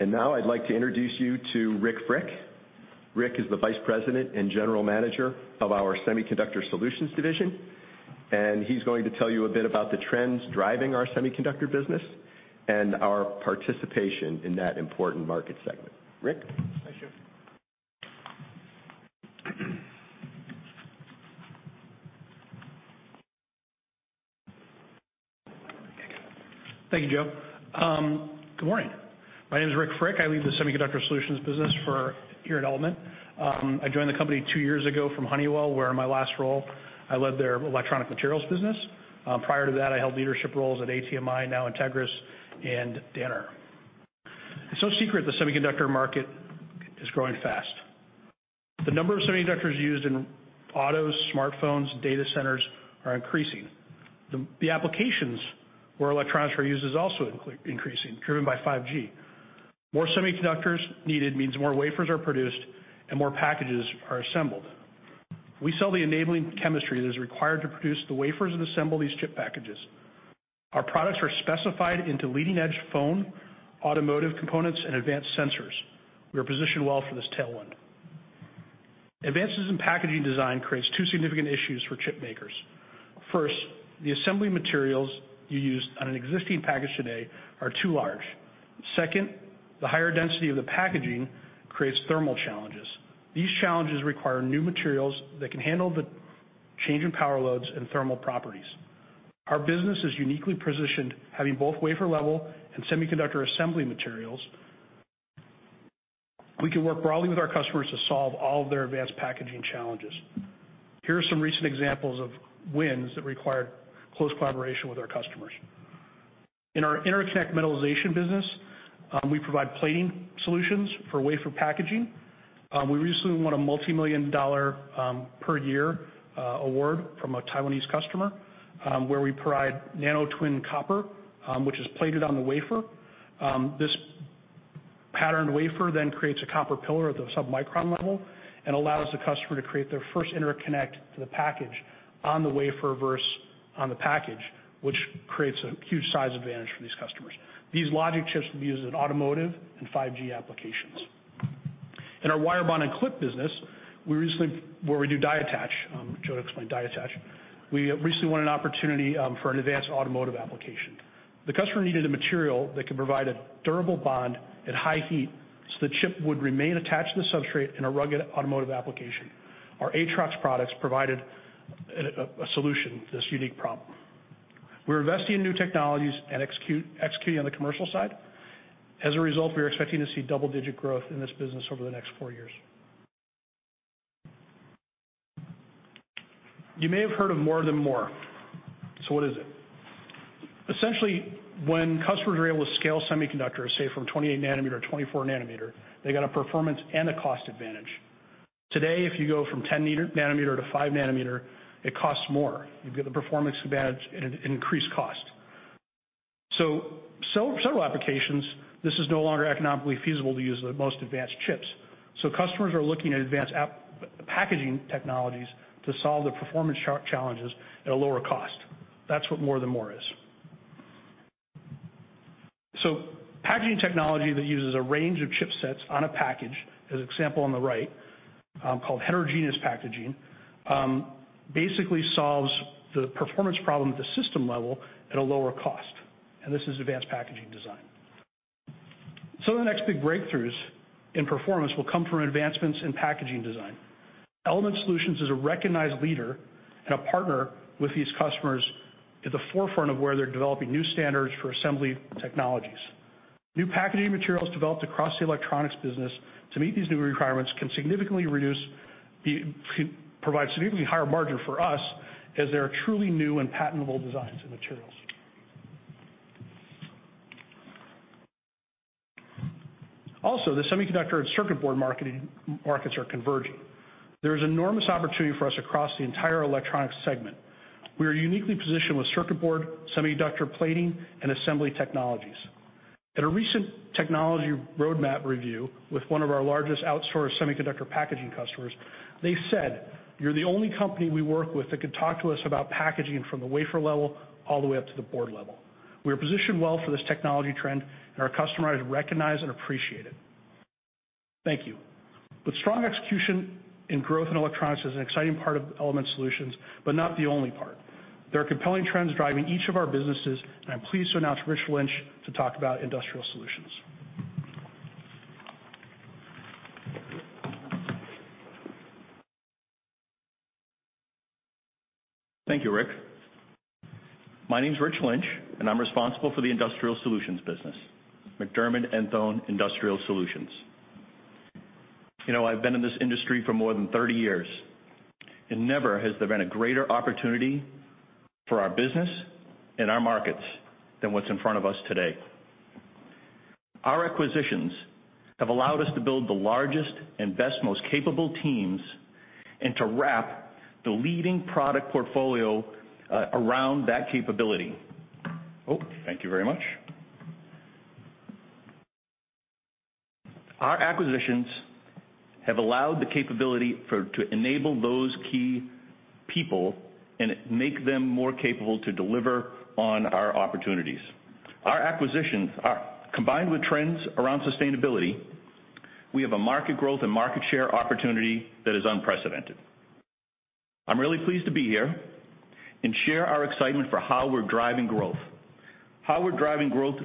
Now I'd like to introduce you to Rick Fricke. Rick is the Vice President and general manager of our Semiconductor Solutions division, and he's going to tell you a bit about the trends driving our semiconductor business and our participation in that important market segment. Rick. Thank you. Thank you, Joe. Good morning. My name is Rick Fricke. I lead the Semiconductor Solutions business here at Element. I joined the company two years ago from Honeywell, where in my last role I led their electronic materials business. Prior to that, I held leadership roles at ATMI, now Entegris, and Danar. It's no secret the semiconductor market is growing fast. The number of semiconductors used in autos, smartphones, data centers are increasing. The applications where electronics are used is also increasing, driven by 5G. More semiconductors needed means more wafers are produced and more packages are assembled. We sell the enabling chemistry that is required to produce the wafers and assemble these chip packages. Our products are specified into leading-edge phone, automotive components, and advanced sensors. We are positioned well for this tailwind. Advances in packaging design creates two significant issues for chip makers. First, the assembly materials you use on an existing package today are too large. Second, the higher density of the packaging creates thermal challenges. These challenges require new materials that can handle the change in power loads and thermal properties. Our business is uniquely positioned, having both wafer-level and semiconductor assembly materials. We can work broadly with our customers to solve all of their advanced packaging challenges. Here are some recent examples of wins that required close collaboration with our customers. In our interconnect metallization business, we provide plating solutions for wafer packaging. We recently won a $multimillion-dollar per year award from a Taiwanese customer, where we provide nanotwin copper, which is plated on the wafer. This patterned wafer then creates a copper pillar at the submicron level and allows the customer to create their first interconnect to the package on the wafer versus on the package, which creates a huge size advantage for these customers. These logic chips will be used in automotive and 5G applications. In our wire bond and clip business, where we do die-attach, Joe explained die-attach. We recently won an opportunity for an advanced automotive application. The customer needed a material that could provide a durable bond at high heat, so the chip would remain attached to the substrate in a rugged automotive application. Our Atrox products provided a solution to this unique problem. We're investing in new technologies and execute on the commercial side. As a result, we are expecting to see double-digit growth in this business over the next four years. You may have heard of More than Moore. What is it? Essentially, when customers are able to scale semiconductors, say, from 28 nanometer-24 nanometer, they get a performance and a cost advantage. Today, if you go from 10 nanometer-five nanometer, it costs more. You get the performance advantage at an increased cost. In several applications, this is no longer economically feasible to use the most advanced chips, so customers are looking at advanced packaging technologies to solve the performance challenges at a lower cost. That's what More than Moore is. Packaging technology that uses a range of chiplets on a package, as example on the right, called heterogeneous packaging, basically solves the performance problem at the system level at a lower cost, and this is advanced packaging design. Some of the next big breakthroughs in performance will come from advancements in packaging design. Element Solutions is a recognized leader and a partner with these customers at the forefront of where they're developing new standards for assembly technologies. New packaging materials developed across the electronics business to meet these new requirements can provide significantly higher margin for us as they are truly new and patentable designs and materials. Also, the semiconductor and circuit board markets are converging. There is enormous opportunity for us across the entire electronics segment. We are uniquely positioned with circuit board, semiconductor plating, and assembly technologies. At a recent technology roadmap review with one of our largest outsourced semiconductor packaging customers, they said, "You're the only company we work with that could talk to us about packaging from the wafer level all the way up to the board level." We are positioned well for this technology trend, and our customers recognize and appreciate it. Thank you. Strong execution and growth in electronics is an exciting part of Element Solutions, but not the only part. There are compelling trends driving each of our businesses, and I'm pleased to announce Rich Lynch to talk about Industrial Solutions. Thank you, Rick. My name is Rich Lynch, and I'm responsible for the Industrial Solutions business, MacDermid Enthone Industrial Solutions. You know, I've been in this industry for more than 30 years, and never has there been a greater opportunity for our business and our markets than what's in front of us today. Our acquisitions have allowed us to build the largest and best, most capable teams and to wrap the leading product portfolio around that capability. Oh, thank you very much. Our acquisitions are combined with trends around sustainability. We have a market growth and market share opportunity that is unprecedented. I'm really pleased to be here and share our excitement for how we're driving growth. How we're driving growth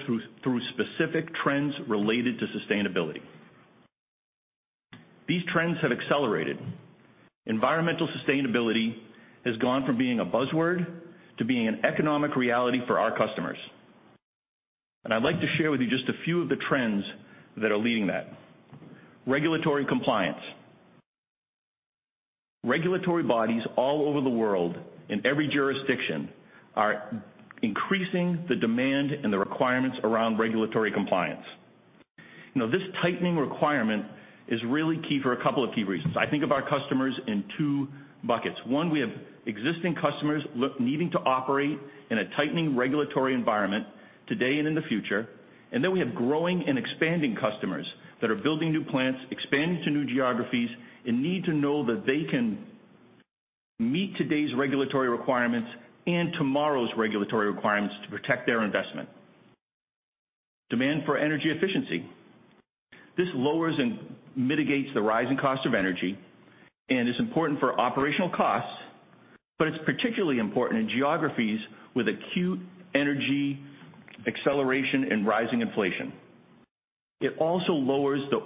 through specific trends related to sustainability. These trends have accelerated. Environmental sustainability has gone from being a buzzword to being an economic reality for our customers. I'd like to share with you just a few of the trends that are leading that. Regulatory compliance. Regulatory bodies all over the world in every jurisdiction are increasing the demand and the requirements around regulatory compliance. You know, this tightening requirement is really key for a couple of key reasons. I think of our customers in two buckets. One, we have existing customers needing to operate in a tightening regulatory environment today and in the future. Then we have growing and expanding customers that are building new plants, expanding to new geographies, and need to know that they can meet today's regulatory requirements and tomorrow's regulatory requirements to protect their investment. Demand for energy efficiency. This lowers and mitigates the rising cost of energy and is important for operational costs, but it's particularly important in geographies with acute energy acceleration and rising inflation. It also lowers the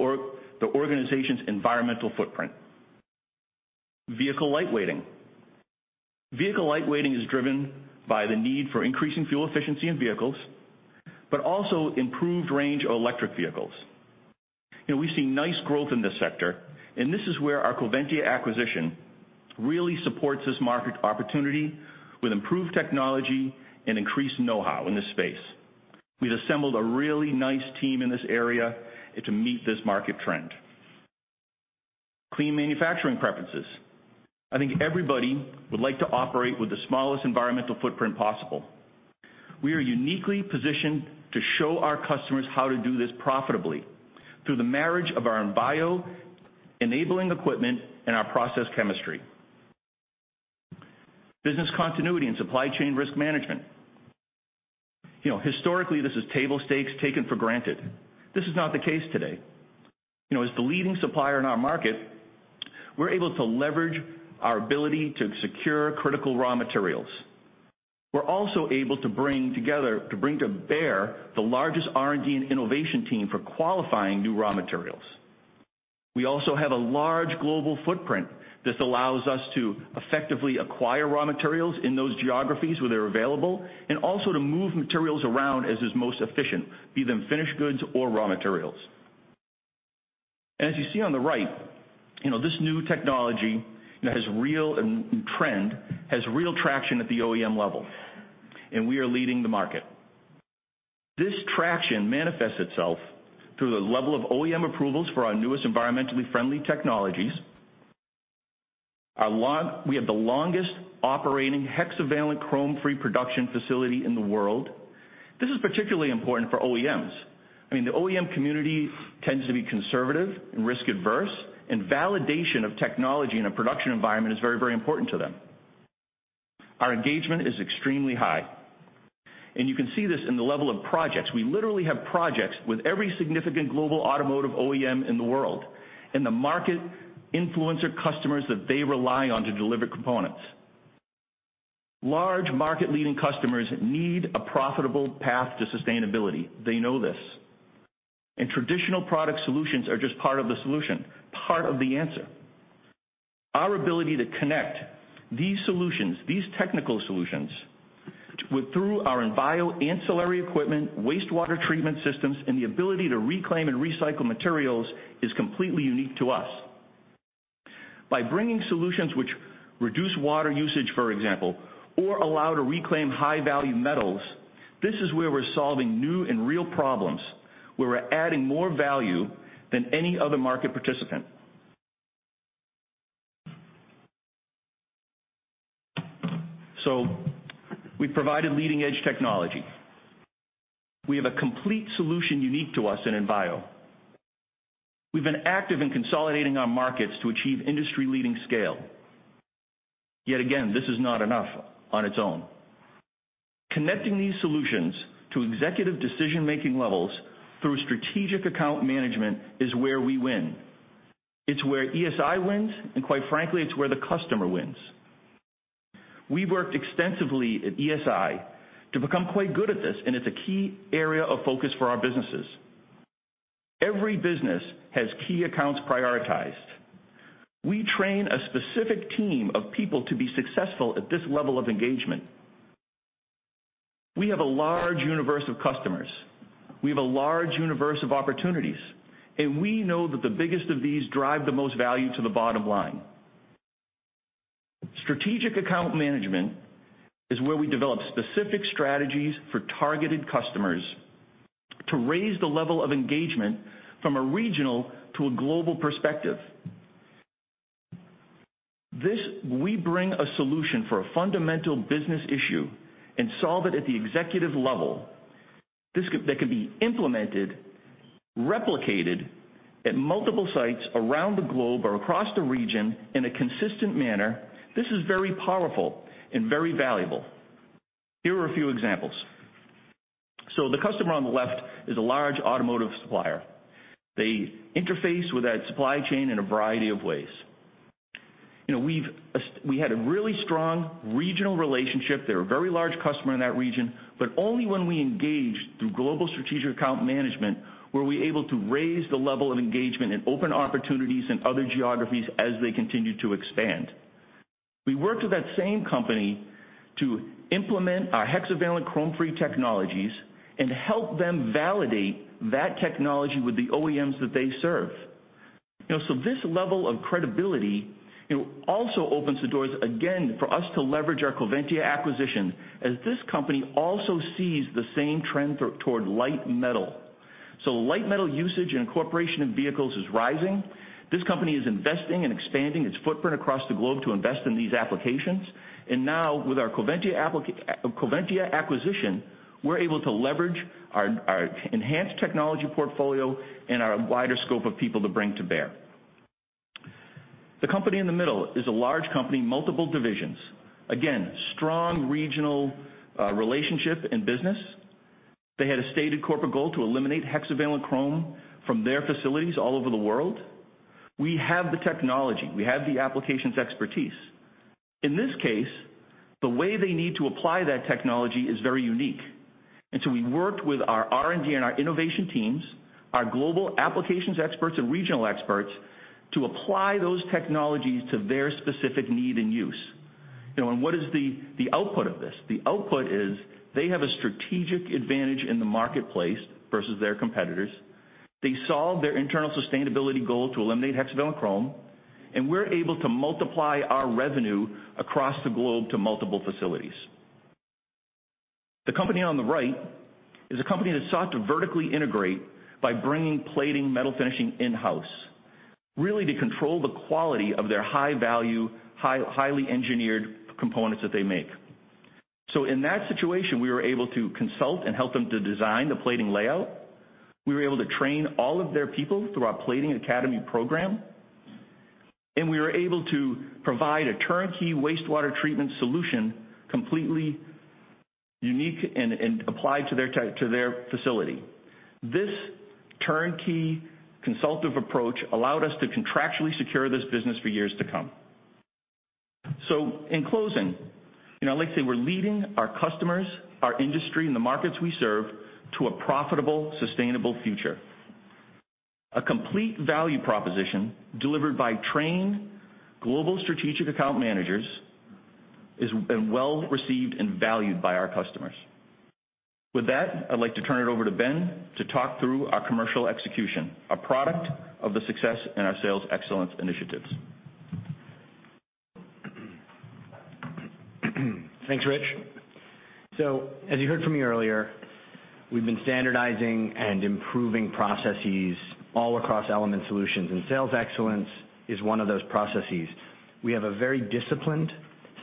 organization's environmental footprint. Vehicle lightweighting. Vehicle lightweighting is driven by the need for increasing fuel efficiency in vehicles, but also improved range of electric vehicles. You know, we've seen nice growth in this sector, and this is where our Coventya acquisition really supports this market opportunity with improved technology and increased know-how in this space. We've assembled a really nice team in this area and to meet this market trend. Clean manufacturing preferences. I think everybody would like to operate with the smallest environmental footprint possible. We are uniquely positioned to show our customers how to do this profitably through the marriage of our EnvioTECH enabling equipment and our process chemistry. Business continuity and supply chain risk management. You know, historically, this is table stakes taken for granted. This is not the case today. You know, as the leading supplier in our market, we're able to leverage our ability to secure critical raw materials. We're also able to bring to bear the largest R&D and innovation team for qualifying new raw materials. We also have a large global footprint. This allows us to effectively acquire raw materials in those geographies where they're available and also to move materials around as is most efficient, be them finished goods or raw materials. As you see on the right, you know, this new technology has real traction at the OEM level, and we are leading the market. This traction manifests itself through the level of OEM approvals for our newest environmentally friendly technologies. We have the longest operating hexavalent chrome-free production facility in the world. This is particularly important for OEMs. I mean, the OEM community tends to be conservative and risk-averse, and validation of technology in a production environment is very, very important to them. Our engagement is extremely high, and you can see this in the level of projects. We literally have projects with every significant global automotive OEM in the world and the market influencer customers that they rely on to deliver components. Large market-leading customers need a profitable path to sustainability. They know this. Traditional product solutions are just part of the solution, part of the answer. Our ability to connect these solutions, these technical solutions, through our Envio ancillary equipment, wastewater treatment systems, and the ability to reclaim and recycle materials, is completely unique to us. By bringing solutions which reduce water usage, for example, or allow to reclaim high-value metals, this is where we're solving new and real problems, where we're adding more value than any other market participant. We've provided leading-edge technology. We have a complete solution unique to us in Envio. We've been active in consolidating our markets to achieve industry-leading scale. Yet again, this is not enough on its own. Connecting these solutions to executive decision-making levels through strategic account management is where we win. It's where ESI wins, and quite frankly, it's where the customer wins. We worked extensively at ESI to become quite good at this, and it's a key area of focus for our businesses. Every business has key accounts prioritized. We train a specific team of people to be successful at this level of engagement. We have a large universe of customers. We have a large universe of opportunities, and we know that the biggest of these drive the most value to the bottom line. Strategic account management is where we develop specific strategies for targeted customers to raise the level of engagement from a regional to a global perspective. This, we bring a solution for a fundamental business issue and solve it at the executive level. That could be implemented, replicated at multiple sites around the globe or across the region in a consistent manner. This is very powerful and very valuable. Here are a few examples. The customer on the left is a large automotive supplier. They interface with that supply chain in a variety of ways. You know, we had a really strong regional relationship. They're a very large customer in that region, but only when we engaged through global strategic account management were we able to raise the level of engagement and open opportunities in other geographies as they continued to expand. We worked with that same company to implement our hexavalent chrome-free technologies and help them validate that technology with the OEMs that they serve. You know, this level of credibility, it also opens the doors, again, for us to leverage our Coventya acquisition, as this company also sees the same trend toward light metal. Light metal usage and incorporation in vehicles is rising. This company is investing and expanding its footprint across the globe to invest in these applications. Now with our Coventya acquisition, we're able to leverage our enhanced technology portfolio and our wider scope of people to bring to bear. The company in the middle is a large company, multiple divisions. Again, strong regional relationship and business. They had a stated corporate goal to eliminate hexavalent chrome from their facilities all over the world. We have the technology. We have the applications expertise. In this case, the way they need to apply that technology is very unique. We worked with our R&D and our innovation teams, our global applications experts and regional experts, to apply those technologies to their specific need and use. You know, what is the output of this? The output is they have a strategic advantage in the marketplace versus their competitors. They solve their internal sustainability goal to eliminate hexavalent chrome, and we're able to multiply our revenue across the globe to multiple facilities. The company on the right is a company that sought to vertically integrate by bringing plating metal finishing in-house, really to control the quality of their high-value, highly engineered components that they make. In that situation, we were able to consult and help them to design the plating layout, we were able to train all of their people through our Plating Academy program, and we were able to provide a turnkey wastewater treatment solution, completely unique and applied to their facility. This turnkey consultative approach allowed us to contractually secure this business for years to come. In closing, you know, I'd like to say we're leading our customers, our industry, and the markets we serve to a profitable, sustainable future. A complete value proposition delivered by trained global strategic account managers is well-received and valued by our customers. With that, I'd like to turn it over to Ben Gliklich to talk through our commercial execution, a product of the success in our sales excellence initiatives. Thanks, Rich. As you heard from me earlier, we've been standardizing and improving processes all across Element Solutions, and sales excellence is one of those processes. We have a very disciplined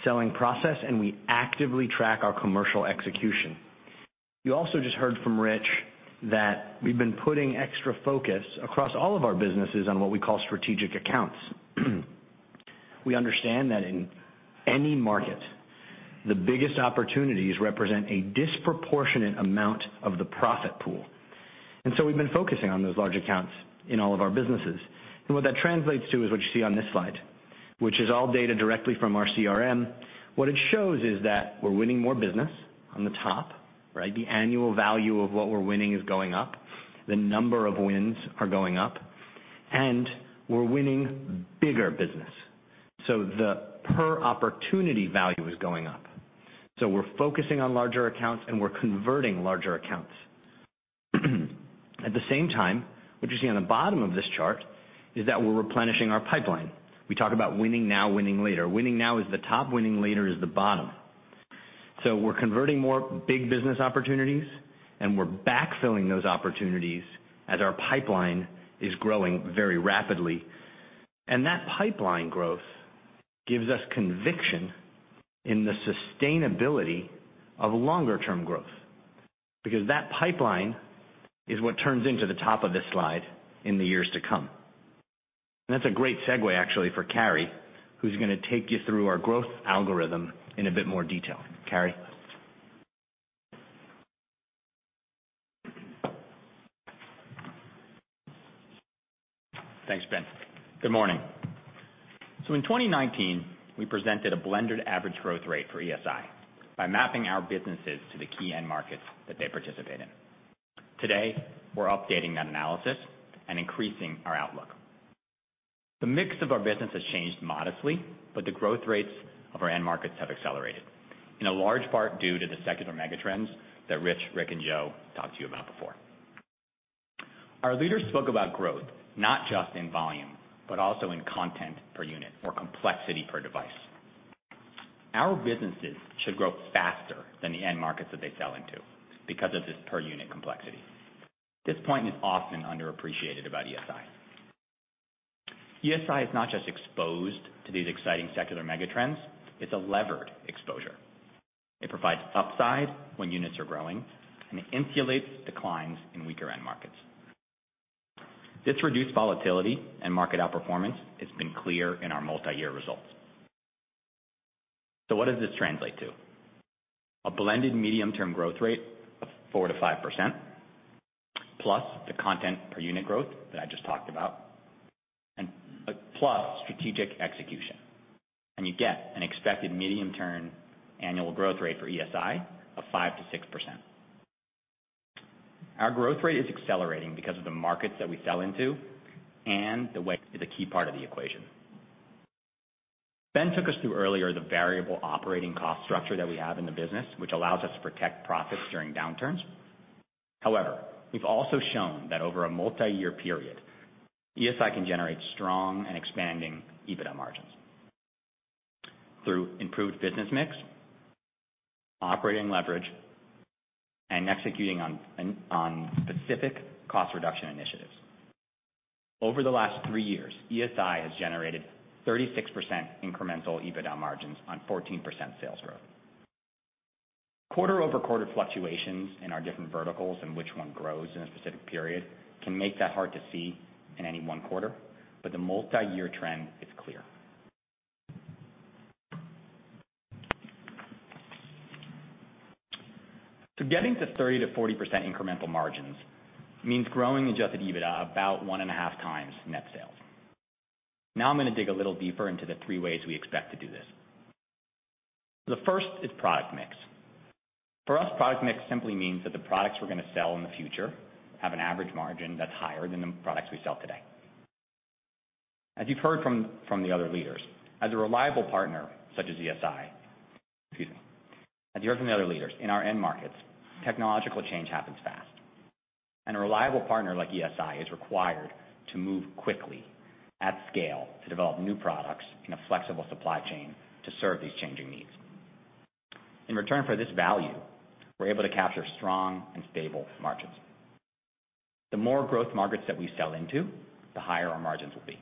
selling process, and we actively track our commercial execution. You also just heard from Rich that we've been putting extra focus across all of our businesses on what we call strategic accounts. We understand that in any market, the biggest opportunities represent a disproportionate amount of the profit pool. We've been focusing on those large accounts in all of our businesses. What that translates to is what you see on this slide, which is all data directly from our CRM. What it shows is that we're winning more business on the top right. The annual value of what we're winning is going up. The number of wins are going up, and we're winning bigger business. The per opportunity value is going up. We're focusing on larger accounts and we're converting larger accounts. At the same time, what you see on the bottom of this chart is that we're replenishing our pipeline. We talk about winning now, winning later. Winning now is the top. Winning later is the bottom. We're converting more big business opportunities, and we're backfilling those opportunities as our pipeline is growing very rapidly. That pipeline growth gives us conviction in the sustainability of longer term growth, because that pipeline is what turns into the top of this slide in the years to come. That's a great segue, actually, for Carey, who's gonna take you through our growth algorithm in a bit more detail. Carey. Thanks, Ben. Good morning. In 2019, we presented a blended average growth rate for ESI by mapping our businesses to the key end markets that they participate in. Today, we're updating that analysis and increasing our outlook. The mix of our business has changed modestly, but the growth rates of our end markets have accelerated, in a large part due to the secular megatrends that Rich, Rick, and Joe talked to you about before. Our leaders spoke about growth not just in volume, but also in content per unit or complexity per device. Our businesses should grow faster than the end markets that they sell into because of this per unit complexity. This point is often underappreciated about ESI. ESI is not just exposed to these exciting secular megatrends, it's a levered exposure. It provides upside when units are growing, and it insulates declines in weaker end markets. This reduced volatility and market outperformance has been clear in our multi-year results. What does this translate to? A blended medium term growth rate of 4%-5%, plus the content per unit growth that I just talked about, and plus strategic execution, and you get an expected medium term annual growth rate for ESI of 5%-6%. Our growth rate is accelerating because of the markets that we sell into and the way is a key part of the equation. Ben took us through earlier the variable operating cost structure that we have in the business, which allows us to protect profits during downturns. However, we've also shown that over a multi-year period, ESI can generate strong and expanding EBITDA margins through improved business mix, operating leverage, and executing on specific cost reduction initiatives. Over the last three years, ESI has generated 36% incremental EBITDA margins on 14% sales growth. Quarter-over-quarter fluctuations in our different verticals and which one grows in a specific period can make that hard to see in any one quarter, but the multi-year trend is clear. Getting to 30%-40% incremental margins means growing adjusted EBITDA about one and a half times net sales. Now I'm going to dig a little deeper into the three ways we expect to do this. The first is product mix. For us, product mix simply means that the products we're going to sell in the future have an average margin that's higher than the products we sell today. As you've heard from the other leaders, as a reliable partner such as ESI. Excuse me. As you heard from the other leaders, in our end markets, technological change happens fast, and a reliable partner like ESI is required to move quickly at scale to develop new products in a flexible supply chain to serve these changing needs. In return for this value, we're able to capture strong and stable margins. The more growth markets that we sell into, the higher our margins will be.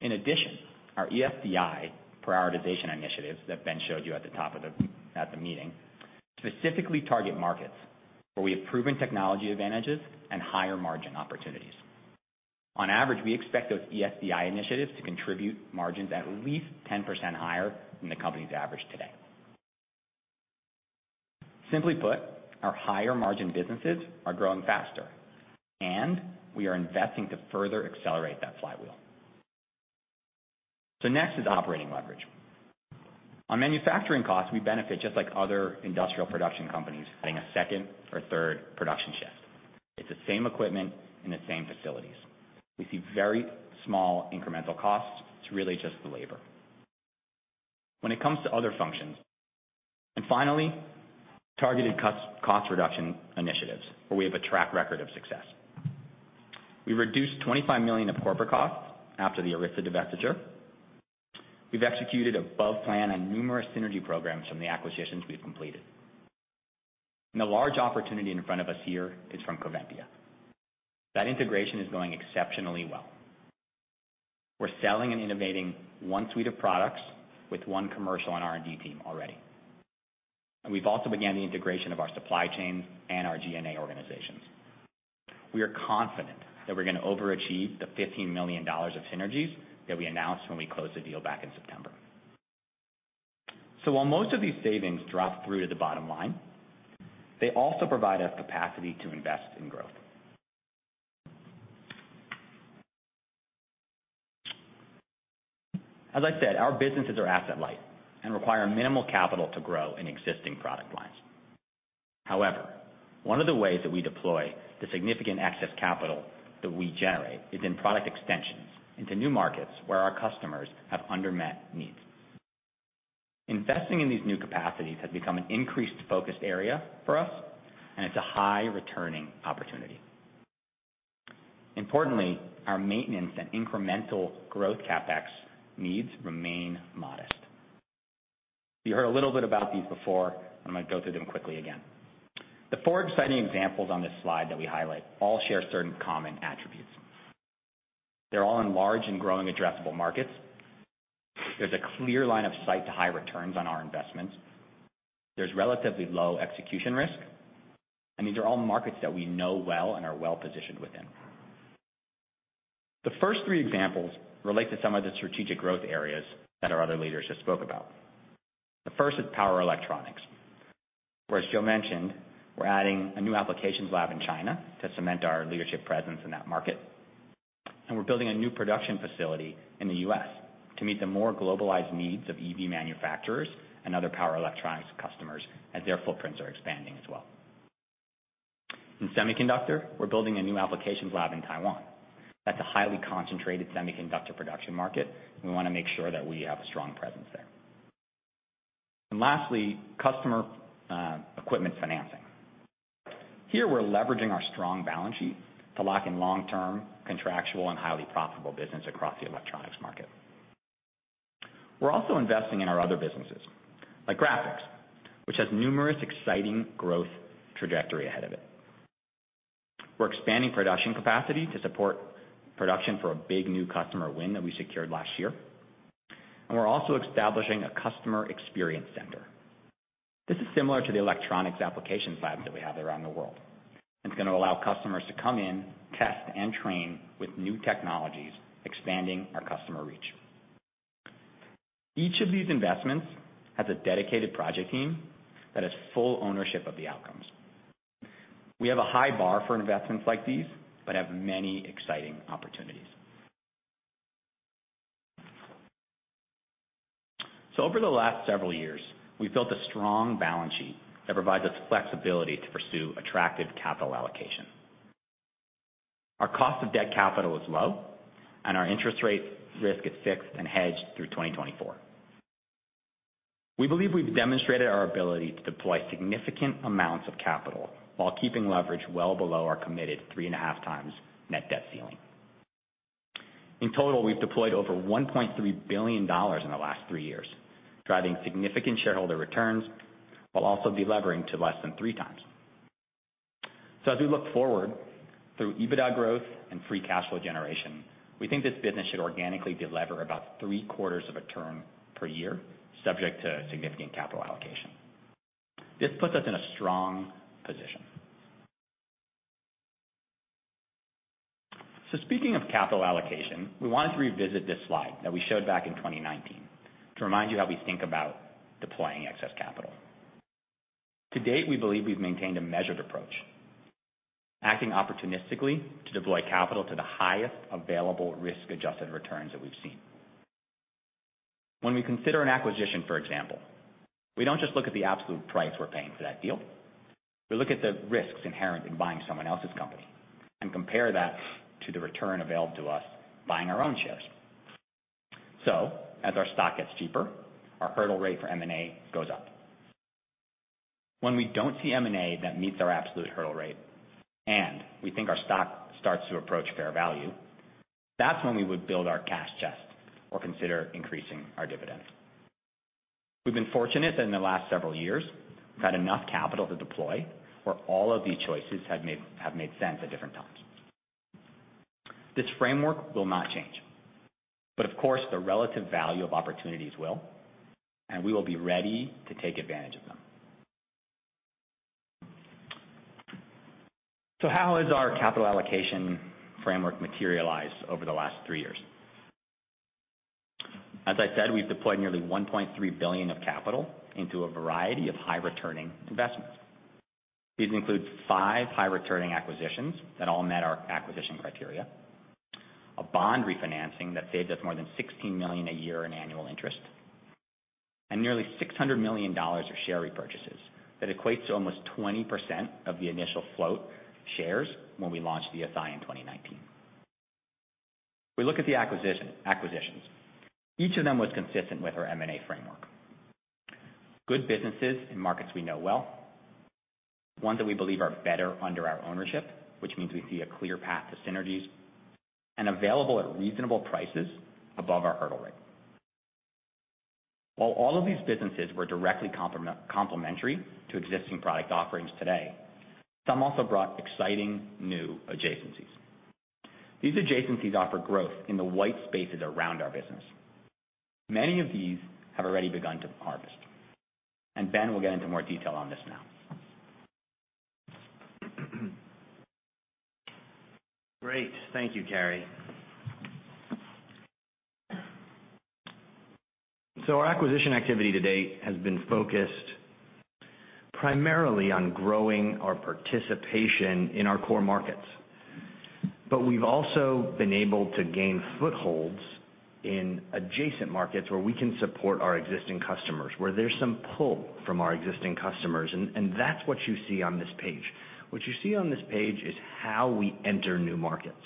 In addition, our ESDI prioritization initiatives that Ben showed you at the meeting specifically target markets where we have proven technology advantages and higher margin opportunities. On average, we expect those ESDI initiatives to contribute margins at least 10% higher than the company's average today. Simply put, our higher margin businesses are growing faster, and we are investing to further accelerate that flywheel. Next is operating leverage. On manufacturing costs, we benefit just like other industrial production companies adding a second or third production shift. It's the same equipment in the same facilities. We see very small incremental costs. It's really just the labor. When it comes to other functions. Finally, targeted cost reduction initiatives where we have a track record of success. We reduced $25 million of corporate costs after the Arysta divestiture. We've executed above plan on numerous synergy programs from the acquisitions we've completed. The large opportunity in front of us here is from Coventya. That integration is going exceptionally well. We're selling and innovating one suite of products with one commercial and R&D team already. We've also began the integration of our supply chains and our G&A organizations. We are confident that we're going to overachieve the $15 million of synergies that we announced when we closed the deal back in September. While most of these savings drop through to the bottom line, they also provide us capacity to invest in growth. As I said, our businesses are asset light and require minimal capital to grow in existing product lines. However, one of the ways that we deploy the significant excess capital that we generate is in product extensions into new markets where our customers have unmet needs. Investing in these new capacities has become an increased focus area for us, and it's a high returning opportunity. Importantly, our maintenance and incremental growth CapEx needs remain modest. You heard a little bit about these before. I'm gonna go through them quickly again. The four exciting examples on this slide that we highlight all share certain common attributes. They're all in large and growing addressable markets. There's a clear line of sight to high returns on our investments. There's relatively low execution risk, and these are all markets that we know well and are well positioned within. The first three examples relate to some of the strategic growth areas that our other leaders just spoke about. The first is power electronics, where, as Joe mentioned, we're adding a new applications lab in China to cement our leadership presence in that market. We're building a new production facility in the U.S. to meet the more globalized needs of EV manufacturers and other power electronics customers as their footprints are expanding as well. In semiconductor, we're building a new applications lab in Taiwan. That's a highly concentrated semiconductor production market, and we wanna make sure that we have a strong presence there. Lastly, customer equipment financing. Here we're leveraging our strong balance sheet to lock in long-term contractual and highly profitable business across the electronics market. We're also investing in our other businesses like graphics, which has numerous exciting growth trajectory ahead of it. We're expanding production capacity to support production for a big new customer win that we secured last year, and we're also establishing a customer experience center. This is similar to the electronics applications labs that we have around the world. It's gonna allow customers to come in, test, and train with new technologies, expanding our customer reach. Each of these investments has a dedicated project team that has full ownership of the outcomes. We have a high bar for investments like these, but have many exciting opportunities. Over the last several years, we've built a strong balance sheet that provides us flexibility to pursue attractive capital allocation. Our cost of debt capital is low, and our interest rate risk is fixed and hedged through 2024. We believe we've demonstrated our ability to deploy significant amounts of capital while keeping leverage well below our committed 3.5x net debt ceiling. In total, we've deployed over $1.3 billion in the last three years, driving significant shareholder returns while also delevering to less than three times. As we look forward through EBITDA growth and free cash flow generation, we think this business should organically delever about three-quarters of a turn per year, subject to significant capital allocation. This puts us in a strong position. Speaking of capital allocation, we wanted to revisit this slide that we showed back in 2019 to remind you how we think about deploying excess capital. To date, we believe we've maintained a measured approach, acting opportunistically to deploy capital to the highest available risk-adjusted returns that we've seen. When we consider an acquisition, for example, we don't just look at the absolute price we're paying for that deal. We look at the risks inherent in buying someone else's company and compare that to the return available to us buying our own shares. As our stock gets cheaper, our hurdle rate for M&A goes up. When we don't see M&A that meets our absolute hurdle rate, and we think our stock starts to approach fair value, that's when we would build our cash chest or consider increasing our dividends. We've been fortunate that in the last several years we've had enough capital to deploy where all of these choices have made sense at different times. This framework will not change, but of course, the relative value of opportunities will, and we will be ready to take advantage of them. How has our capital allocation framework materialized over the last three years? As I said, we've deployed nearly $1.3 billion of capital into a variety of high returning investments. These include five high returning acquisitions that all met our acquisition criteria, a bond refinancing that saved us more than $16 million a year in annual interest, and nearly $600 million of share repurchases. That equates to almost 20% of the initial float shares when we launched ESI in 2019. We look at the acquisitions. Each of them was consistent with our M&A framework. Good businesses in markets we know well, ones that we believe are better under our ownership, which means we see a clear path to synergies, and available at reasonable prices above our hurdle rate. While all of these businesses were directly complementary to existing product offerings today, some also brought exciting new adjacencies. These adjacencies offer growth in the white spaces around our business. Many of these have already begun to harvest, and Ben will get into more detail on this now. Great. Thank you, Carey. Our acquisition activity to date has been focused primarily on growing our participation in our core markets. We've also been able to gain footholds in adjacent markets where we can support our existing customers, where there's some pull from our existing customers. That's what you see on this page. What you see on this page is how we enter new markets.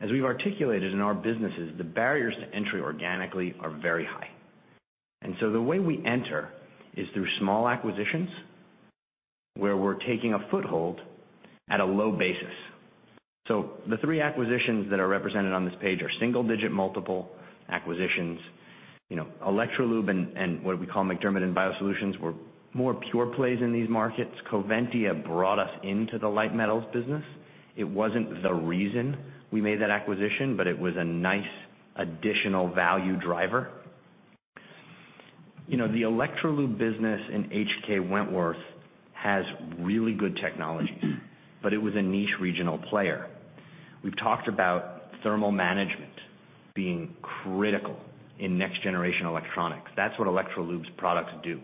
As we've articulated in our businesses, the barriers to entry organically are very high. The way we enter is through small acquisitions where we're taking a foothold at a low basis. The three acquisitions that are represented on this page are single digit multiple acquisitions. You know, Electrolube and what we call MacDermid Envio Solutions were more pure plays in these markets. Coventya brought us into the light metals business. It wasn't the reason we made that acquisition, but it was a nice additional value driver. You know, the Electrolube business in H.K. Wentworth has really good technologies, but it was a niche regional player. We've talked about thermal management being critical in next-generation electronics. That's what Electrolube's products do.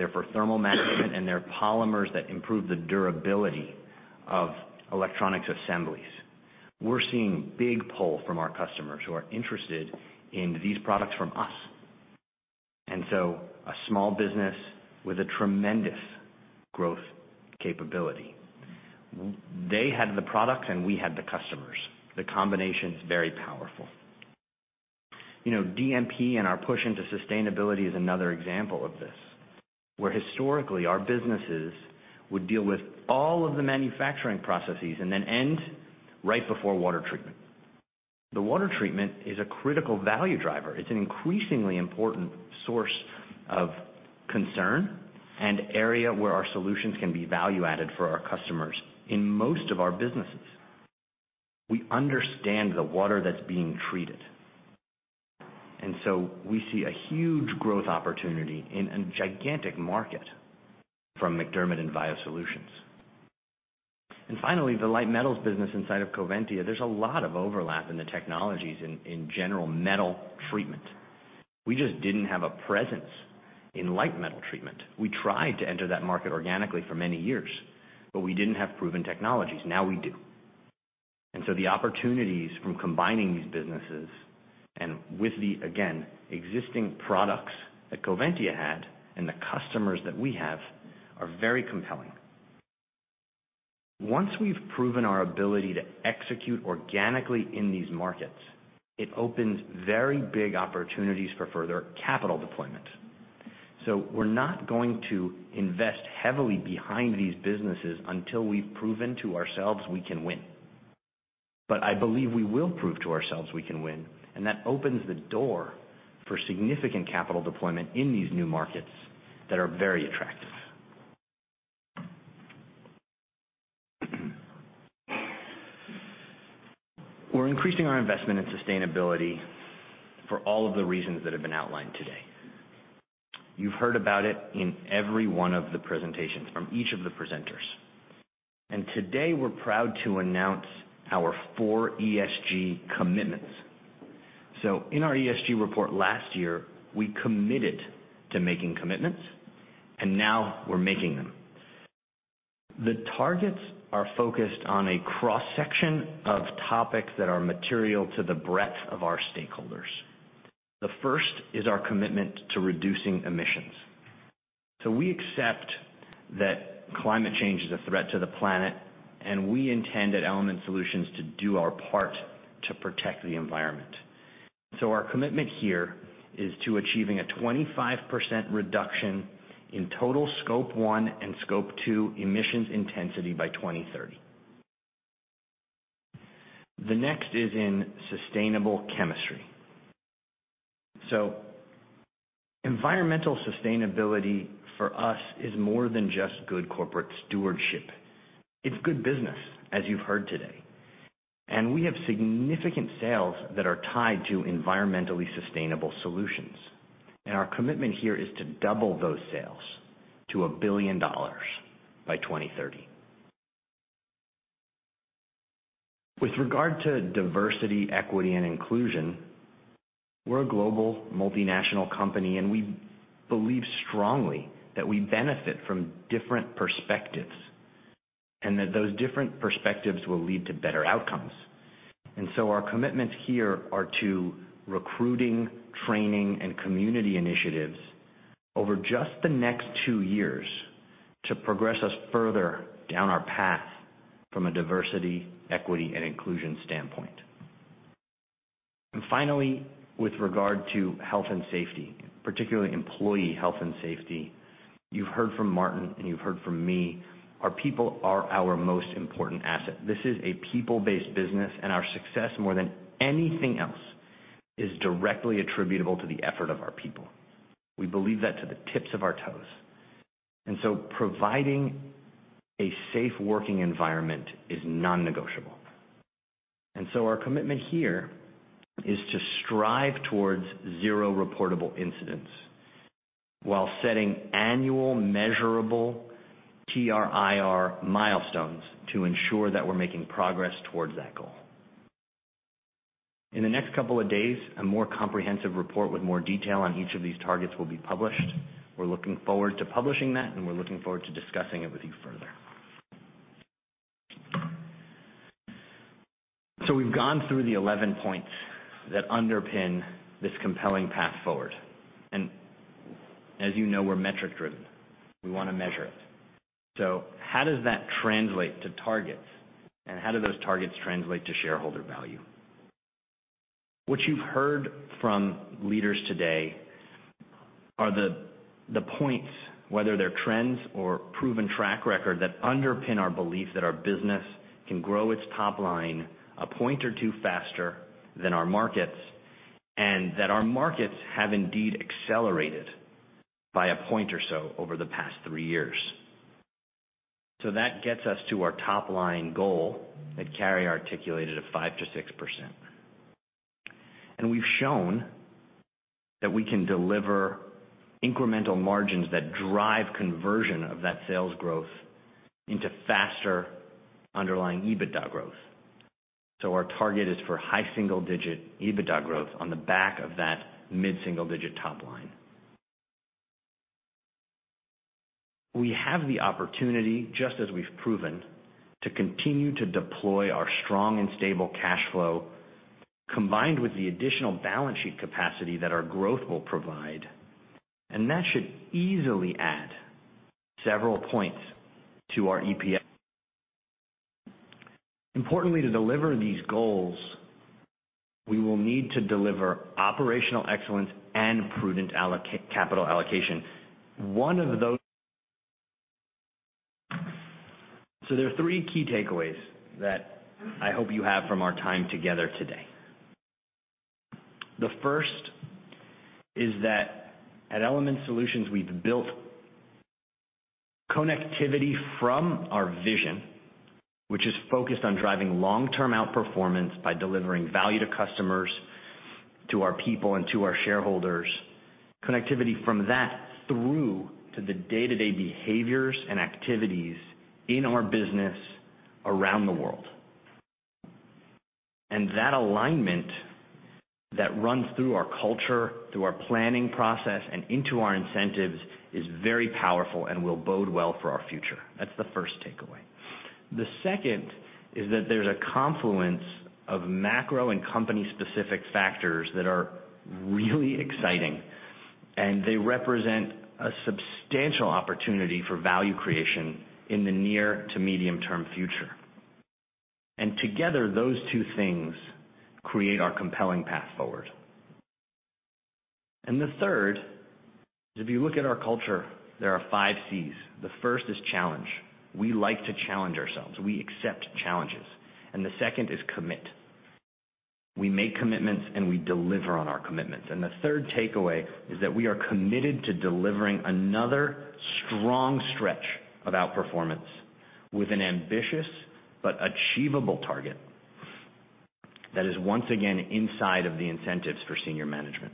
They're for thermal management, and they're polymers that improve the durability of electronics assemblies. We're seeing big pull from our customers who are interested in these products from us, and so a small business with a tremendous growth capability. They had the products, and we had the customers. The combination is very powerful. You know, DMP and our push into sustainability is another example of this, where historically our businesses would deal with all of the manufacturing processes and then end right before water treatment. The water treatment is a critical value driver. It's an increasingly important source of concern and area where our solutions can be value added for our customers in most of our businesses. We understand the water that's being treated, and so we see a huge growth opportunity in a gigantic market from MacDermid Envio Solutions. Finally, the light metals business inside of Coventya, there's a lot of overlap in the technologies in general metal treatment. We just didn't have a presence in light metal treatment. We tried to enter that market organically for many years, but we didn't have proven technologies. Now we do. The opportunities from combining these businesses and with the, again, existing products that Coventya had and the customers that we have are very compelling. Once we've proven our ability to execute organically in these markets, it opens very big opportunities for further capital deployment. We're not going to invest heavily behind these businesses until we've proven to ourselves we can win. I believe we will prove to ourselves we can win, and that opens the door for significant capital deployment in these new markets that are very attractive. We're increasing our investment in sustainability for all of the reasons that have been outlined today. You've heard about it in every one of the presentations from each of the presenters. Today, we're proud to announce our four ESG commitments. In our ESG report last year, we committed to making commitments, and now we're making them. The targets are focused on a cross-section of topics that are material to the breadth of our stakeholders. The first is our commitment to reducing emissions. We accept that climate change is a threat to the planet, and we intend at Element Solutions to do our part to protect the environment. Our commitment here is to achieving a 25% reduction in total Scope 1 and Scope 2 emissions intensity by 2030. The next is in sustainable chemistry. Environmental sustainability for us is more than just good corporate stewardship. It's good business, as you've heard today. We have significant sales that are tied to environmentally sustainable solutions. Our commitment here is to double those sales to $1 billion by 2030. With regard to diversity, equity, and inclusion, we're a global multinational company, and we believe strongly that we benefit from different perspectives and that those different perspectives will lead to better outcomes. Our commitments here are to recruiting, training, and community initiatives over just the next two years to progress us further down our path from a diversity, equity, and inclusion standpoint. Finally, with regard to health and safety, particularly employee health and safety, you've heard from Martin, and you've heard from me, our people are our most important asset. This is a people-based business, and our success, more than anything else, is directly attributable to the effort of our people. We believe that to the tips of our toes. Providing a safe working environment is non-negotiable. Our commitment here is to strive towards zero reportable incidents while setting annual measurable TRIR milestones to ensure that we're making progress towards that goal. In the next couple of days, a more comprehensive report with more detail on each of these targets will be published. We're looking forward to publishing that, and we're looking forward to discussing it with you further. We've gone through the 11 points that underpin this compelling path forward. As you know, we're metric-driven. We wanna measure it. How does that translate to targets, and how do those targets translate to shareholder value? What you've heard from leaders today are the points, whether they're trends or proven track record, that underpin our belief that our business can grow its top line a point or two faster than our markets, and that our markets have indeed accelerated by a point or so over the past three years. That gets us to our top-line goal that Carey articulated of 5%-6%. We've shown that we can deliver incremental margins that drive conversion of that sales growth into faster underlying EBITDA growth. Our target is for high single-digit EBITDA growth on the back of that mid-single digit top line. We have the opportunity, just as we've proven, to continue to deploy our strong and stable cash flow, combined with the additional balance sheet capacity that our growth will provide, and that should easily add several points to our EPS. Importantly, to deliver these goals, we will need to deliver operational excellence and prudent capital allocation. There are three key takeaways that I hope you have from our time together today. The first is that at Element Solutions, we've built connectivity from our vision, which is focused on driving long-term outperformance by delivering value to customers, to our people, and to our shareholders. Connectivity from that through to the day-to-day behaviors and activities in our business around the world. That alignment that runs through our culture, through our planning process, and into our incentives is very powerful and will bode well for our future. That's the first takeaway. The second is that there's a confluence of macro and company specific factors that are really exciting, and they represent a substantial opportunity for value creation in the near to medium-term future. Together, those two things create our compelling path forward. The third is, if you look at our culture, there are five Cs. The first is challenge. We like to challenge ourselves. We accept challenges. The second is commit. We make commitments, and we deliver on our commitments. The third takeaway is that we are committed to delivering another strong stretch of outperformance with an ambitious but achievable target that is once again inside of the incentives for senior management.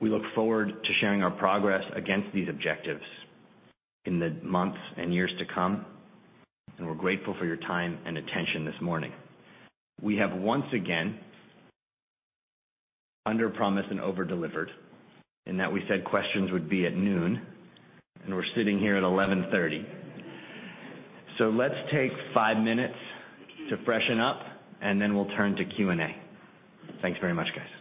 We look forward to sharing our progress against these objectives in the months and years to come, and we're grateful for your time and attention this morning. We have once again underpromised and over-delivered, in that we said questions would be at noon and we're sitting here at 11:30 A.M. Let's take five minutes to freshen up, and then we'll turn to Q&A. Thanks very much, guys. Good job for Q&A? Yeah. Great job. Very good. Thanks,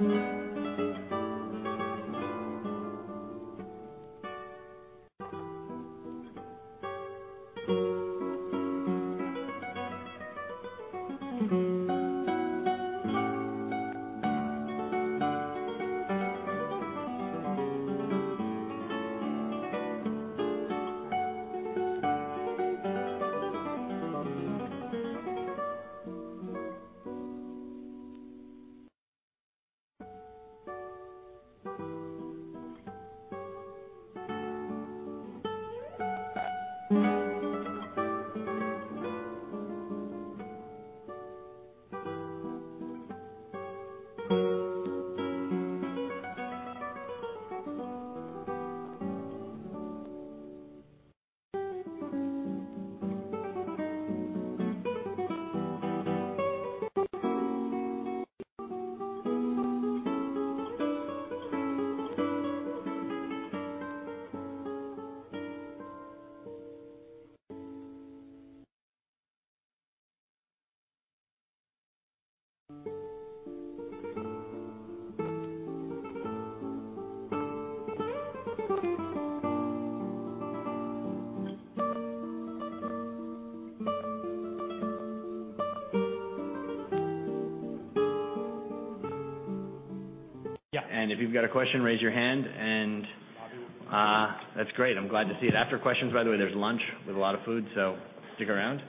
Varun Gokarn. Thank you. Well done, guys. Yep, you too. Well done. Thanks. Hang in there. I get them at the lab. Yeah. If you've got a question, raise your hand. That's great. I'm glad to see it. After questions, by the way, there's lunch with a lot of food, so stick around.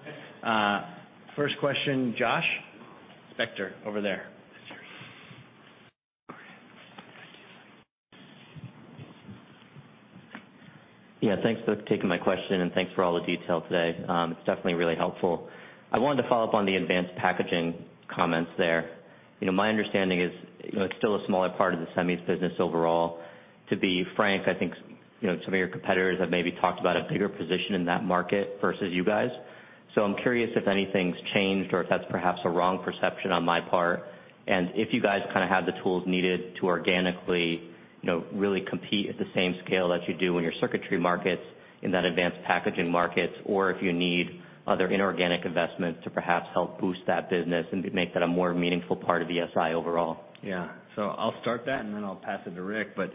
First question, Josh Spector over there. Yeah, thanks for taking my question, and thanks for all the detail today. It's definitely really helpful. I wanted to follow up on the advanced packaging comments there. You know, my understanding is it's still a smaller part of the semis business overall. To be frank, I think you know, some of your competitors have maybe talked about a bigger position in that market versus you guys. So I'm curious if anything's changed or if that's perhaps a wrong perception on my part. If you guys kinda have the tools needed to organically, you know, really compete at the same scale that you do in your circuitry markets, in that advanced packaging markets, or if you need other inorganic investments to perhaps help boost that business and make that a more meaningful part of ESI overall. Yeah. I'll start that, and then I'll pass it to Rick, but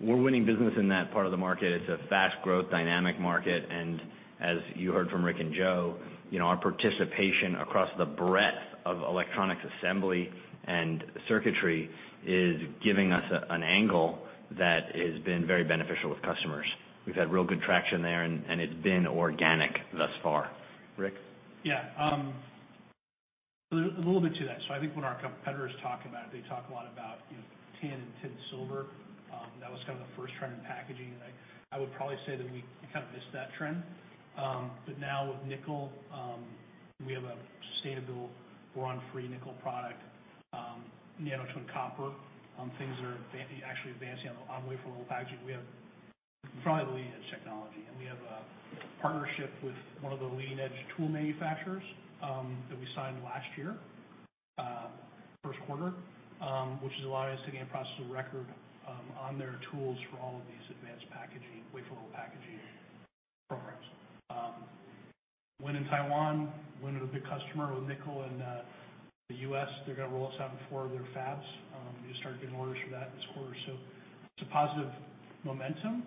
we're winning business in that part of the market. It's a fast growth dynamic market, and as you heard from Rick and Joe, you know, our participation across the breadth of electronics assembly and circuitry is giving us an angle that has been very beneficial with customers. We've had real good traction there, and it's been organic thus far. Rick? A little bit to that. I think when our competitors talk about it, they talk a lot about, you know, tin and tin-silver. That was kind of the first trend in packaging. I would probably say that we kind of missed that trend. But now with nickel, we have a sustainable boron-free nickel product, nanotwin copper, things are actually advancing on the wafer-level packaging. We have probably the leading-edge technology, and we have a partnership with one of the leading-edge tool manufacturers that we signed last year, first quarter, which has allowed us to gain a process of record on their tools for all of these advanced packaging wafer-level packaging programs. Win in Taiwan, win with a big customer with nickel in the U.S. They're gonna roll us out in four of their fabs. We started getting orders for that this quarter. It's a positive momentum.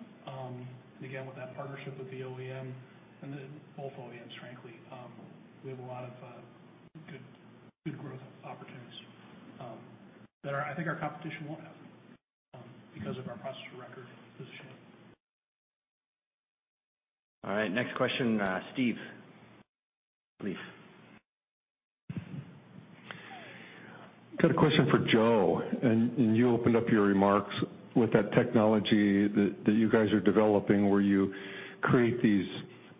Again, with that partnership with the OEM and both OEMs, frankly, we have a lot of good growth opportunities that our competition won't have, I think, because of our process of record positioning. All right. Next question, Steve, please. Got a question for Joe. You opened up your remarks with that technology that you guys are developing, where you create these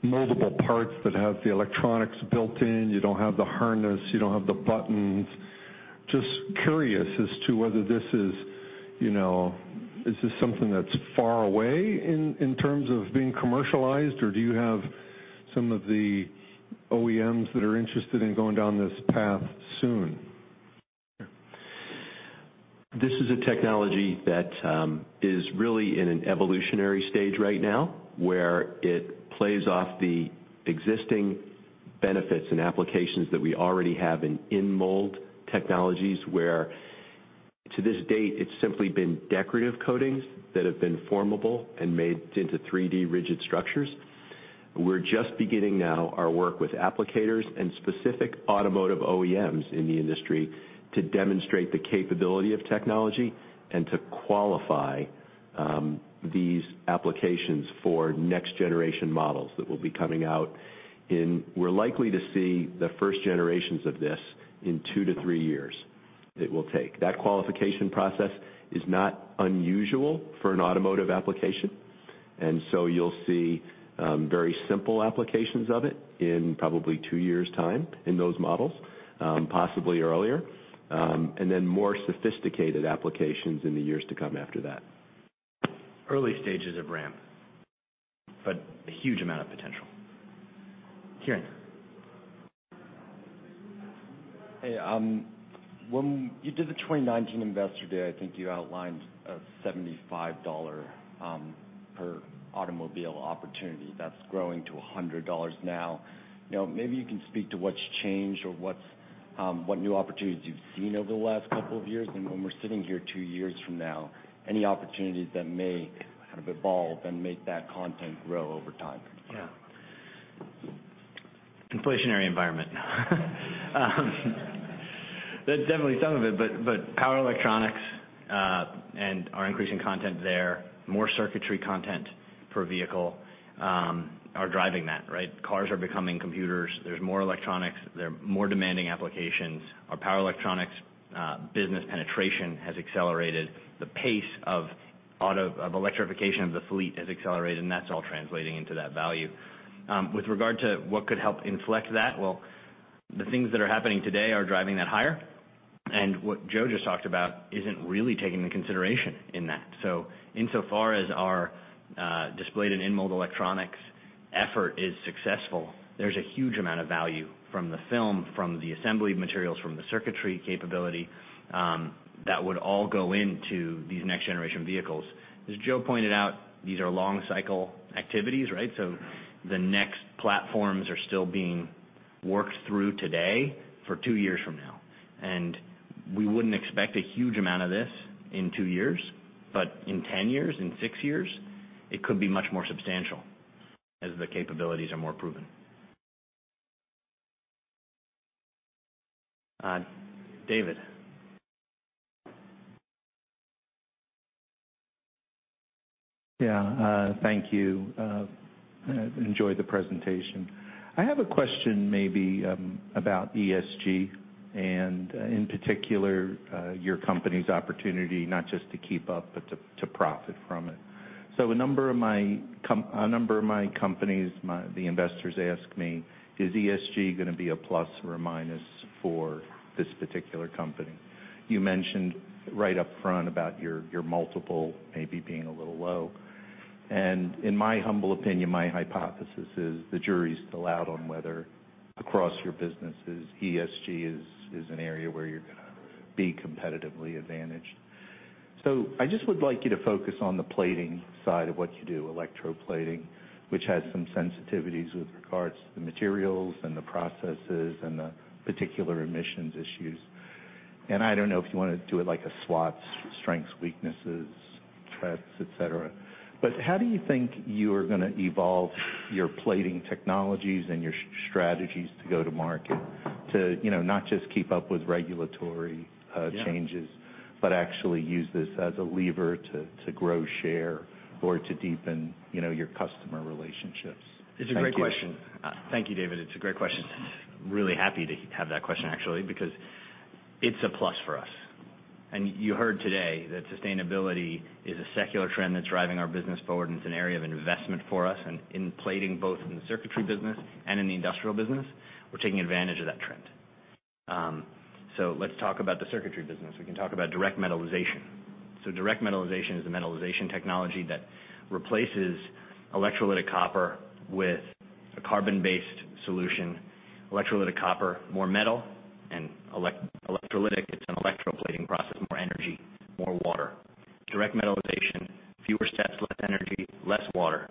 moldable parts that have the electronics built in. You don't have the harness, you don't have the buttons. Just curious as to whether this is, you know, is this something that's far away in terms of being commercialized, or do you have some of the OEMs that are interested in going down this path soon? This is a technology that is really in an evolutionary stage right now, where it plays off the existing benefits and applications that we already have in in-mold technologies, where, to this date, it's simply been decorative coatings that have been formable and made into 3D rigid structures. We're just beginning now our work with applicators and specific automotive OEMs in the industry to demonstrate the capability of technology and to qualify these applications for next generation models that will be coming out in. We're likely to see the first generations of this in two to three years, it will take. That qualification process is not unusual for an automotive application, and so you'll see very simple applications of it in probably two years' time in those models, possibly earlier, and then more sophisticated applications in the years to come after that. Early stages of ramp, but a huge amount of potential. Kieran. Hey, when you did the 2019 Investor Day, I think you outlined a $75 per automobile opportunity. That's growing to $100 now. You know, maybe you can speak to what's changed or what new opportunities you've seen over the last couple of years. When we're sitting here two years from now, any opportunities that may kind of evolve and make that content grow over time. Yeah. Inflationary environment. That's definitely some of it, but power electronics and our increasing content there, more circuitry content per vehicle, are driving that, right? Cars are becoming computers. There's more electronics. There are more demanding applications. Our power electronics business penetration has accelerated. The pace of electrification of the fleet has accelerated, and that's all translating into that value. With regard to what could help inflect that, well, the things that are happening today are driving that higher. What Joe just talked about isn't really taken into consideration in that. Insofar as our displayed and in-mold electronics effort is successful, there's a huge amount of value from the film, from the assembly materials, from the circuitry capability, that would all go into these next generation vehicles. As Joe pointed out, these are long cycle activities, right? The next platforms are still being worked through today for two years from now. We wouldn't expect a huge amount of this in two years, but in 10 years, in six years, it could be much more substantial as the capabilities are more proven. David. Yeah, thank you. I enjoyed the presentation. I have a question maybe, about ESG and, in particular, your company's opportunity not just to keep up, but to profit from it. A number of my companies, the investors ask me, "Is ESG gonna be a plus or a minus for this particular company?" You mentioned right up front about your multiple maybe being a little low. In my humble opinion, my hypothesis is the jury's still out on whether across your businesses, ESG is an area where you're gonna be competitively advantaged. I just would like you to focus on the plating side of what you do, electroplating, which has some sensitivities with regards to the materials and the processes and the particular emissions issues. I don't know if you wanna do it like a SWOT, strengths, weaknesses, threats, et cetera. How do you think you are gonna evolve your plating technologies and your strategies to go to market to, you know, not just keep up with regulatory changes but actually use this as a lever to grow share or to deepen, you know, your customer relationships? Thank you. It's a great question. Thank you, David. Really happy to have that question actually, because it's a plus for us. You heard today that sustainability is a secular trend that's driving our business forward, and it's an area of investment for us. In plating, both in the circuitry business and in the industrial business, we're taking advantage of that trend. Let's talk about the circuitry business. We can talk about direct metallization. Direct metallization is a metallization technology that replaces electrolytic copper with a carbon-based solution. Electrolytic copper, more metal and electrolytic, it's an electroplating process, more energy, more water. Direct metallization, fewer steps, less energy, less water,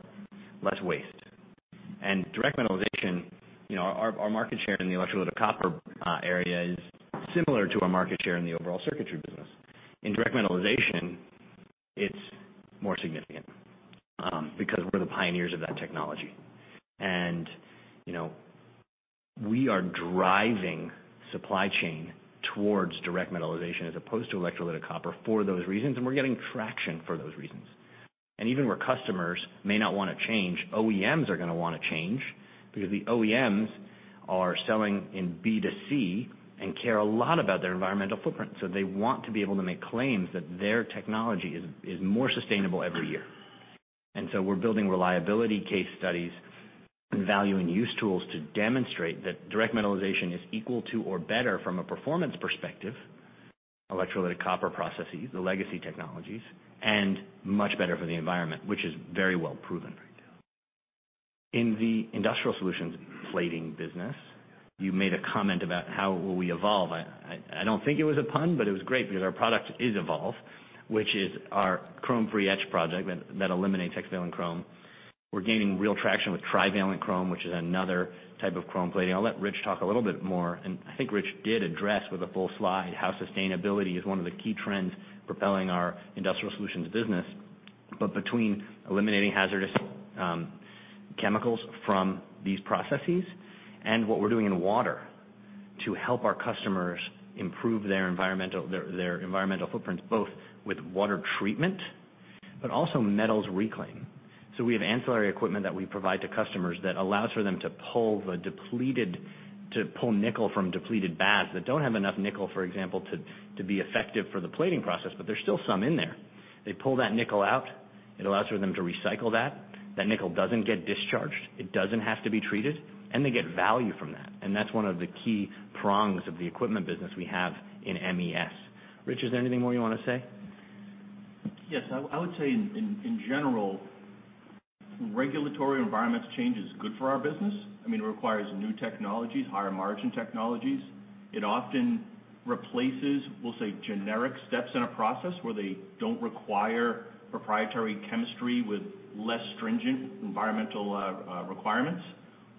less waste. Direct metallization, our market share in the electrolytic copper area is similar to our market share in the overall circuitry business. In direct metallization, it's more significant, because we're the pioneers of that technology. You know, we are driving supply chain towards direct metallization as opposed to electrolytic copper for those reasons, and we're getting traction for those reasons. Even where customers may not wanna change, OEMs are gonna wanna change because the OEMs are selling in B2C and care a lot about their environmental footprint. They want to be able to make claims that their technology is more sustainable every year. We're building reliability case studies and value and use tools to demonstrate that direct metallization is equal to or better from a performance perspective, electrolytic copper processes, the legacy technologies, and much better for the environment, which is very well proven right now. In the Industrial Solutions plating business, you made a comment about how will we evolve. I don't think it was a pun, but it was great because our product is Evolve, which is our chrome-free etch project that eliminates hexavalent chrome. We're gaining real traction with trivalent chrome, which is another type of chrome plating. I'll let Rich talk a little bit more, and I think Rich did address with a full slide how sustainability is one of the key trends propelling our Industrial Solutions business. Between eliminating hazardous chemicals from these processes and what we're doing in water to help our customers improve their environmental footprints, both with water treatment, but also metals reclaim. We have ancillary equipment that we provide to customers that allows for them to pull nickel from depleted baths that don't have enough nickel, for example, to be effective for the plating process, but there's still some in there. They pull that nickel out, it allows for them to recycle that. That nickel doesn't get discharged, it doesn't have to be treated, and they get value from that. That's one of the key prongs of the equipment business we have in MES. Rich, is there anything more you wanna say? Yes. I would say in general, regulatory environments change is good for our business. I mean, it requires new technologies, higher margin technologies. It often replaces, we'll say, generic steps in a process where they don't require proprietary chemistry with less stringent environmental requirements.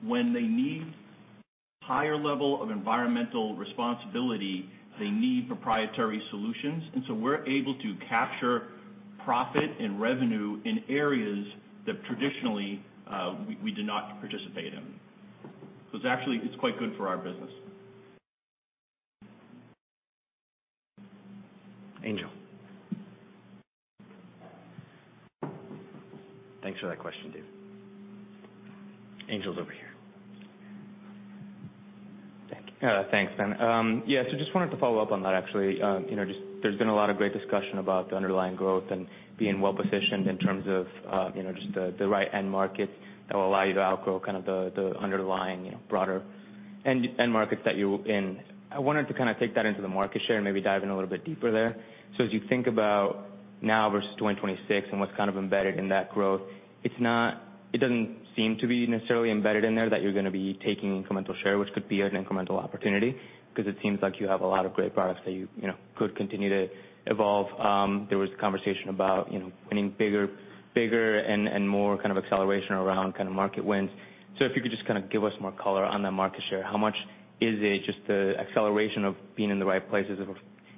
When they need higher level of environmental responsibility, they need proprietary solutions, and so we're able to capture profit and revenue in areas that traditionally we did not participate in. It's actually quite good for our business. Angel. Thanks for that question, Dave. Angel's over here. Thank you. Thanks, Ben. Just wanted to follow up on that actually. You know, just there's been a lot of great discussion about the underlying growth and being well positioned in terms of, you know, just the right end markets that will allow you to outgrow kind of the underlying, you know, broader end markets that you're in. I wanted to kind of take that into the market share and maybe dive in a little bit deeper there. As you think about now versus 2026 and what's kind of embedded in that growth, it doesn't seem to be necessarily embedded in there that you're gonna be taking incremental share, which could be an incremental opportunity 'cause it seems like you have a lot of great products that you know, could continue to evolve. There was conversation about, you know, winning bigger and more kind of acceleration around kind of market wins. If you could just kind of give us more color on that market share. How much is it just the acceleration of being in the right places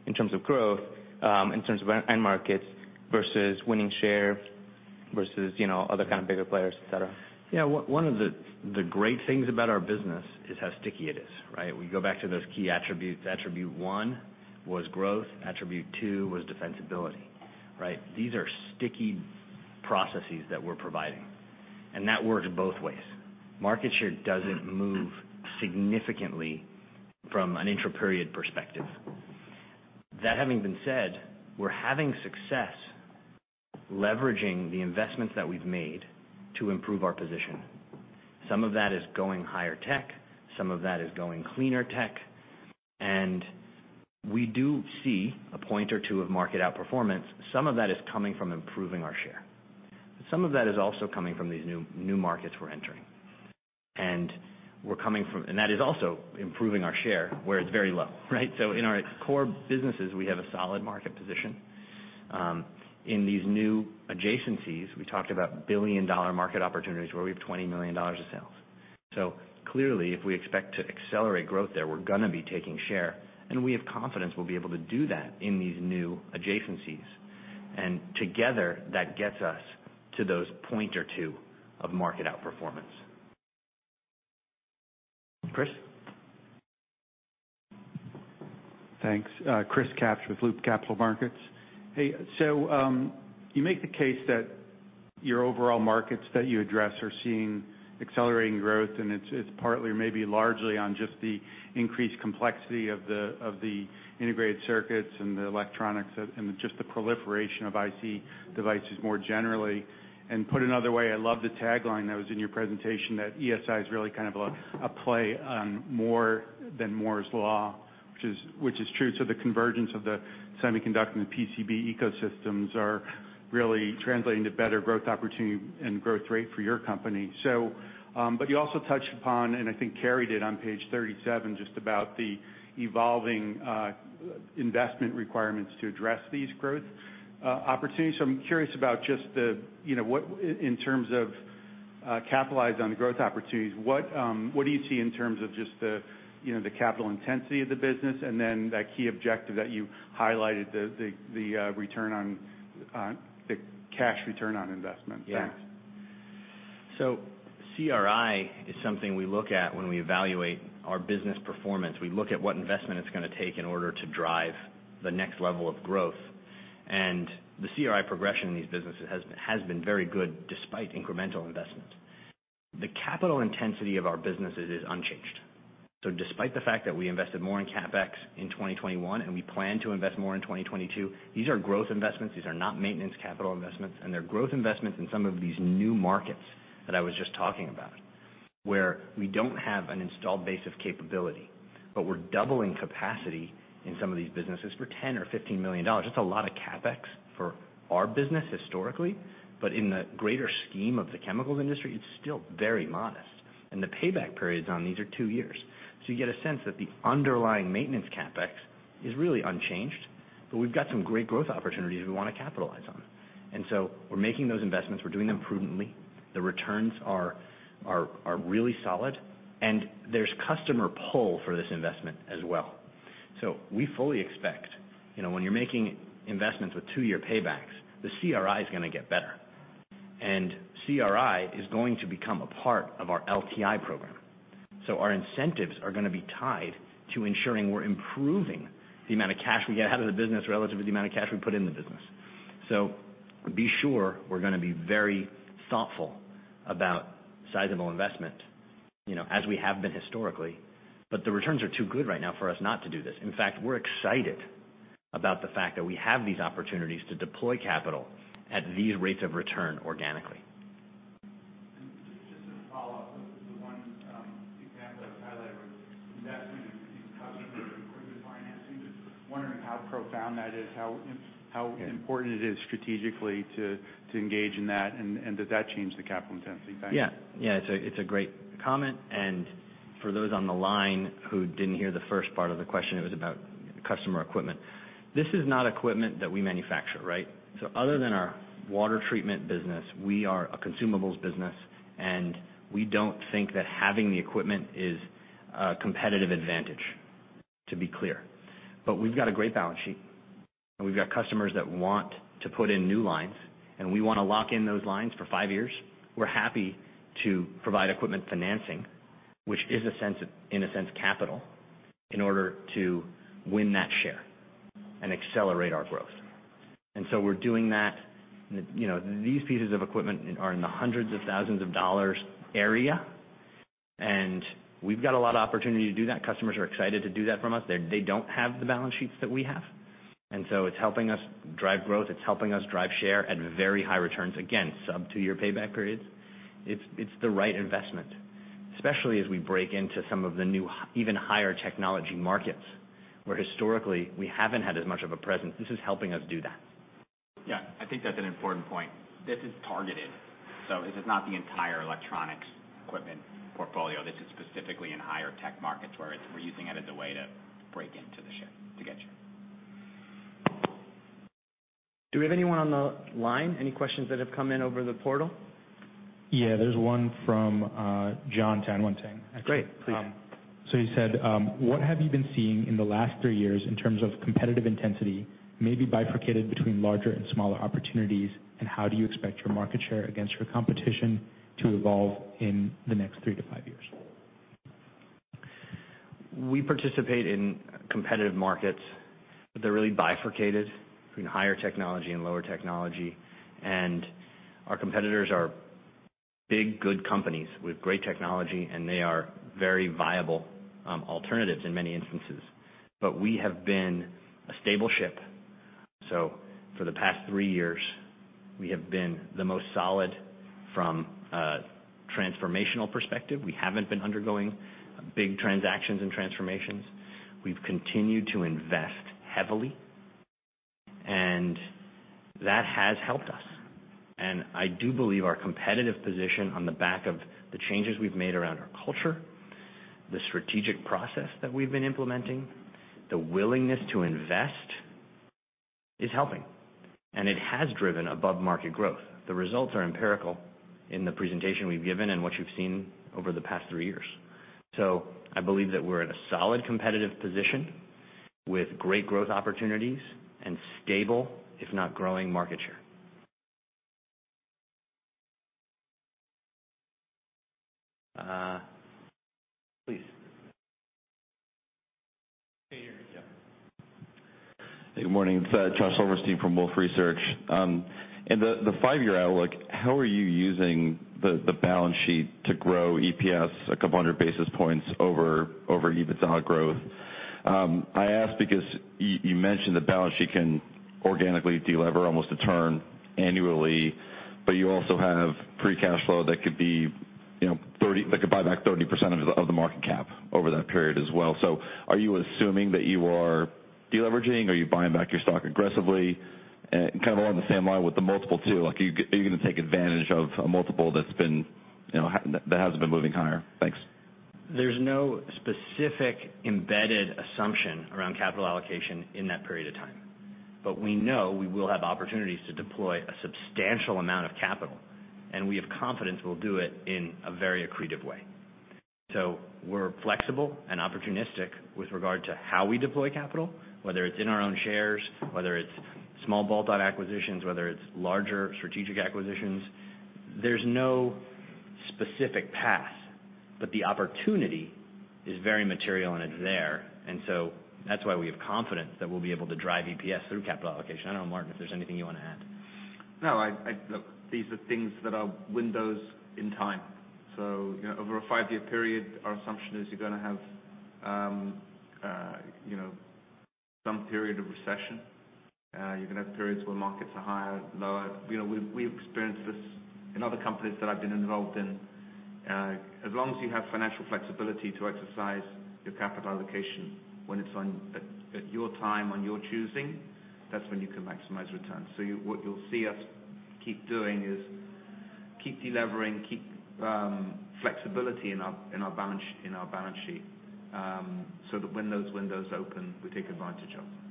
in terms of growth, in terms of end markets versus winning share versus, you know, other kind of bigger players, et cetera? Yeah. One of the great things about our business is how sticky it is, right? We go back to those key attributes. Attribute one was growth, attribute two was defensibility, right? These are sticky processes that we're providing, and that works both ways. Market share doesn't move significantly from an interperiod perspective. That having been said, we're having success leveraging the investments that we've made to improve our position. Some of that is going higher tech, some of that is going cleaner tech, and we do see a point or two of market outperformance. Some of that is coming from improving our share. Some of that is also coming from these new markets we're entering. And that is also improving our share where it's very low, right? In our core businesses, we have a solid market position. In these new adjacencies, we talked about billion-dollar market opportunities where we have $20 million of sales. Clearly, if we expect to accelerate growth there, we're gonna be taking share, and we have confidence we'll be able to do that in these new adjacencies. Together, that gets us to those points or two of market outperformance. Chris? Thanks. Chris Kapsch with Loop Capital Markets. Hey, so, you make the case that your overall markets that you address are seeing accelerating growth, and it's partly or maybe largely on just the increased complexity of the of the integrated circuits and the electronics and just the proliferation of IC devices more generally. Put another way, I love the tagline that was in your presentation, that ESI is really kind of a play on More than Moore, which is true to the convergence of the semiconductor and the PCB ecosystems are really translating to better growth opportunity and growth rate for your company. But you also touched upon, and I think Carey did on page 37, just about the evolving investment requirements to address these growth opportunities. I'm curious about just the, you know, in terms of capitalizing on the growth opportunities, what do you see in terms of just the, you know, the capital intensity of the business and then that key objective that you highlighted, the return on the cash return on investment? Thanks. Yeah. CRI is something we look at when we evaluate our business performance. We look at what investment it's gonna take in order to drive the next level of growth. The CRI progression in these businesses has been very good despite incremental investment. The capital intensity of our businesses is unchanged. Despite the fact that we invested more in CapEx in 2021, and we plan to invest more in 2022, these are growth investments. These are not maintenance capital investments, and they're growth investments in some of these new markets that I was just talking about, where we don't have an installed base of capability, but we're doubling capacity in some of these businesses for $10 million or $15 million. That's a lot of CapEx for our business historically, but in the greater scheme of the chemicals industry, it's still very modest. The payback periods on these are two years. You get a sense that the underlying maintenance CapEx is really unchanged, but we've got some great growth opportunities we wanna capitalize on. We're making those investments. We're doing them prudently. The returns are really solid, and there's customer pull for this investment as well. We fully expect, you know, when you're making investments with two-year paybacks, the CRI is gonna get better, and CRI is going to become a part of our LTI program. Our incentives are gonna be tied to ensuring we're improving the amount of cash we get out of the business relative to the amount of cash we put in the business. Be sure we're gonna be very thoughtful about sizable investment, you know, as we have been historically, but the returns are too good right now for us not to do this. In fact, we're excited about the fact that we have these opportunities to deploy capital at these rates of return organically. Just to follow up with the one example I highlighted, investing in these customer equipment financing, just wondering how profound that is, how important it is strategically to engage in that and does that change the capital intensity? Thanks. Yeah. It's a great comment. For those on the line who didn't hear the first part of the question, it was about customer equipment. This is not equipment that we manufacture, right? Other than our water treatment business, we are a consumables business, and we don't think that having the equipment is a competitive advantage, to be clear. We've got a great balance sheet, and we've got customers that want to put in new lines, and we wanna lock in those lines for five years. We're happy to provide equipment financing, which is, in a sense, capital, in order to win that share and accelerate our growth. We're doing that. You know, these pieces of equipment are in the hundreds of thousands of dollars area, and we've got a lot of opportunity to do that. Customers are excited to do that from us. They don't have the balance sheets that we have. It's helping us drive growth. It's helping us drive share at very high returns, again, sub two year payback periods. It's the right investment, especially as we break into some of the new, even higher technology markets, where historically we haven't had as much of a presence. This is helping us do that. Yeah, I think that's an important point. This is targeted, so this is not the entire electronics equipment portfolio. This is specifically in higher tech markets where we're using it as a way to break into the share, to get share. Do we have anyone on the line? Any questions that have come in over the portal? Yeah, there's one from Jonathan Tanwanteng. Great. Please. He said, "What have you been seeing in the last three years in terms of competitive intensity, maybe bifurcated between larger and smaller opportunities, and how do you expect your market share against your competition to evolve in the next three to five years? We participate in competitive markets. They're really bifurcated between higher technology and lower technology. Our competitors are big, good companies with great technology, and they are very viable alternatives in many instances. We have been a stable ship. For the past three years, we have been the most solid from a transformational perspective. We haven't been undergoing big transactions and transformations. We've continued to invest heavily, and that has helped us. I do believe our competitive position on the back of the changes we've made around our culture, the strategic process that we've been implementing, the willingness to invest, is helping, and it has driven above-market growth. The results are empirical in the presentation we've given and what you've seen over the past three years. I believe that we're in a solid competitive position with great growth opportunities and stable, if not growing market share. Please. Hey, yeah. Good morning. It's Josh Silverstein from Wolfe Research. In the five-year outlook, how are you using the balance sheet to grow EPS 200 basis points over EBITDA growth? I ask because you mentioned the balance sheet can organically delever almost a turn annually, but you also have free cash flow that could be, you know, 30 that could buy back 30% of the market cap over that period as well. Are you assuming that you are deleveraging? Are you buying back your stock aggressively? Kind of along the same line with the multiple too, like, are you gonna take advantage of a multiple that's been, you know, that hasn't been moving higher? Thanks. There's no specific embedded assumption around capital allocation in that period of time. We know we will have opportunities to deploy a substantial amount of capital, and we have confidence we'll do it in a very accretive way. We're flexible and opportunistic with regard to how we deploy capital, whether it's in our own shares, whether it's small bolt-on acquisitions, whether it's larger strategic acquisitions. There's no specific path, but the opportunity is very material and it's there. That's why we have confidence that we'll be able to drive EPS through capital allocation. I don't know, Martin, if there's anything you wanna add. No, look, these are things that are windows in time. Over a five-year period, our assumption is you're gonna have some period of recession. You're gonna have periods where markets are higher, lower. We experienced this in other companies that I've been involved in. As long as you have financial flexibility to exercise your capital allocation when it's on, at your time, on your choosing, that's when you can maximize returns. What you'll see us keep doing is keep delevering, keep flexibility in our balance sheet, so that when those windows open, we take advantage of them.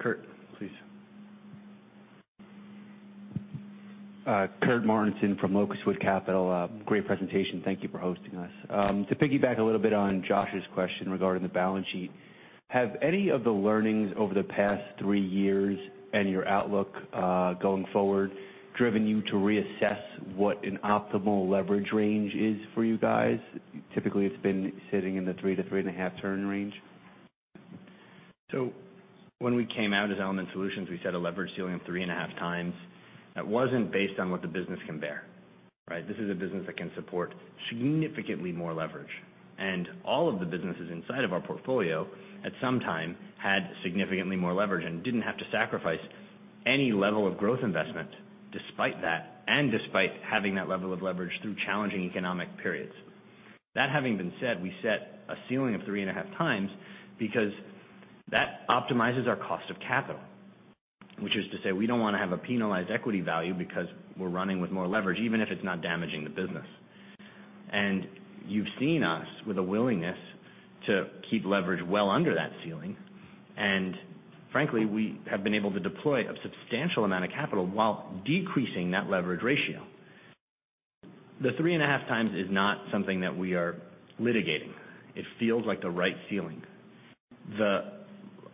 Kurt, please. Kurt Martinson from Locust Wood Capital. Great presentation. Thank you for hosting us. To piggyback a little bit on Josh's question regarding the balance sheet, have any of the learnings over the past three years and your outlook, going forward driven you to reassess what an optimal leverage range is for you guys? Typically, it's been sitting in the 3-3.5 turn range. When we came out as Element Solutions, we set a leverage ceiling of 3.5x. That wasn't based on what the business can bear, right? This is a business that can support significantly more leverage. All of the businesses inside of our portfolio, at some time, had significantly more leverage and didn't have to sacrifice any level of growth investment despite that, and despite having that level of leverage through challenging economic periods. That having been said, we set a ceiling of 3.5x because that optimizes our cost of capital, which is to say we don't wanna have a penalized equity value because we're running with more leverage, even if it's not damaging the business. You've seen us with a willingness to keep leverage well under that ceiling. Frankly, we have been able to deploy a substantial amount of capital while decreasing that leverage ratio. The 3.5x is not something that we are litigating. It feels like the right ceiling. The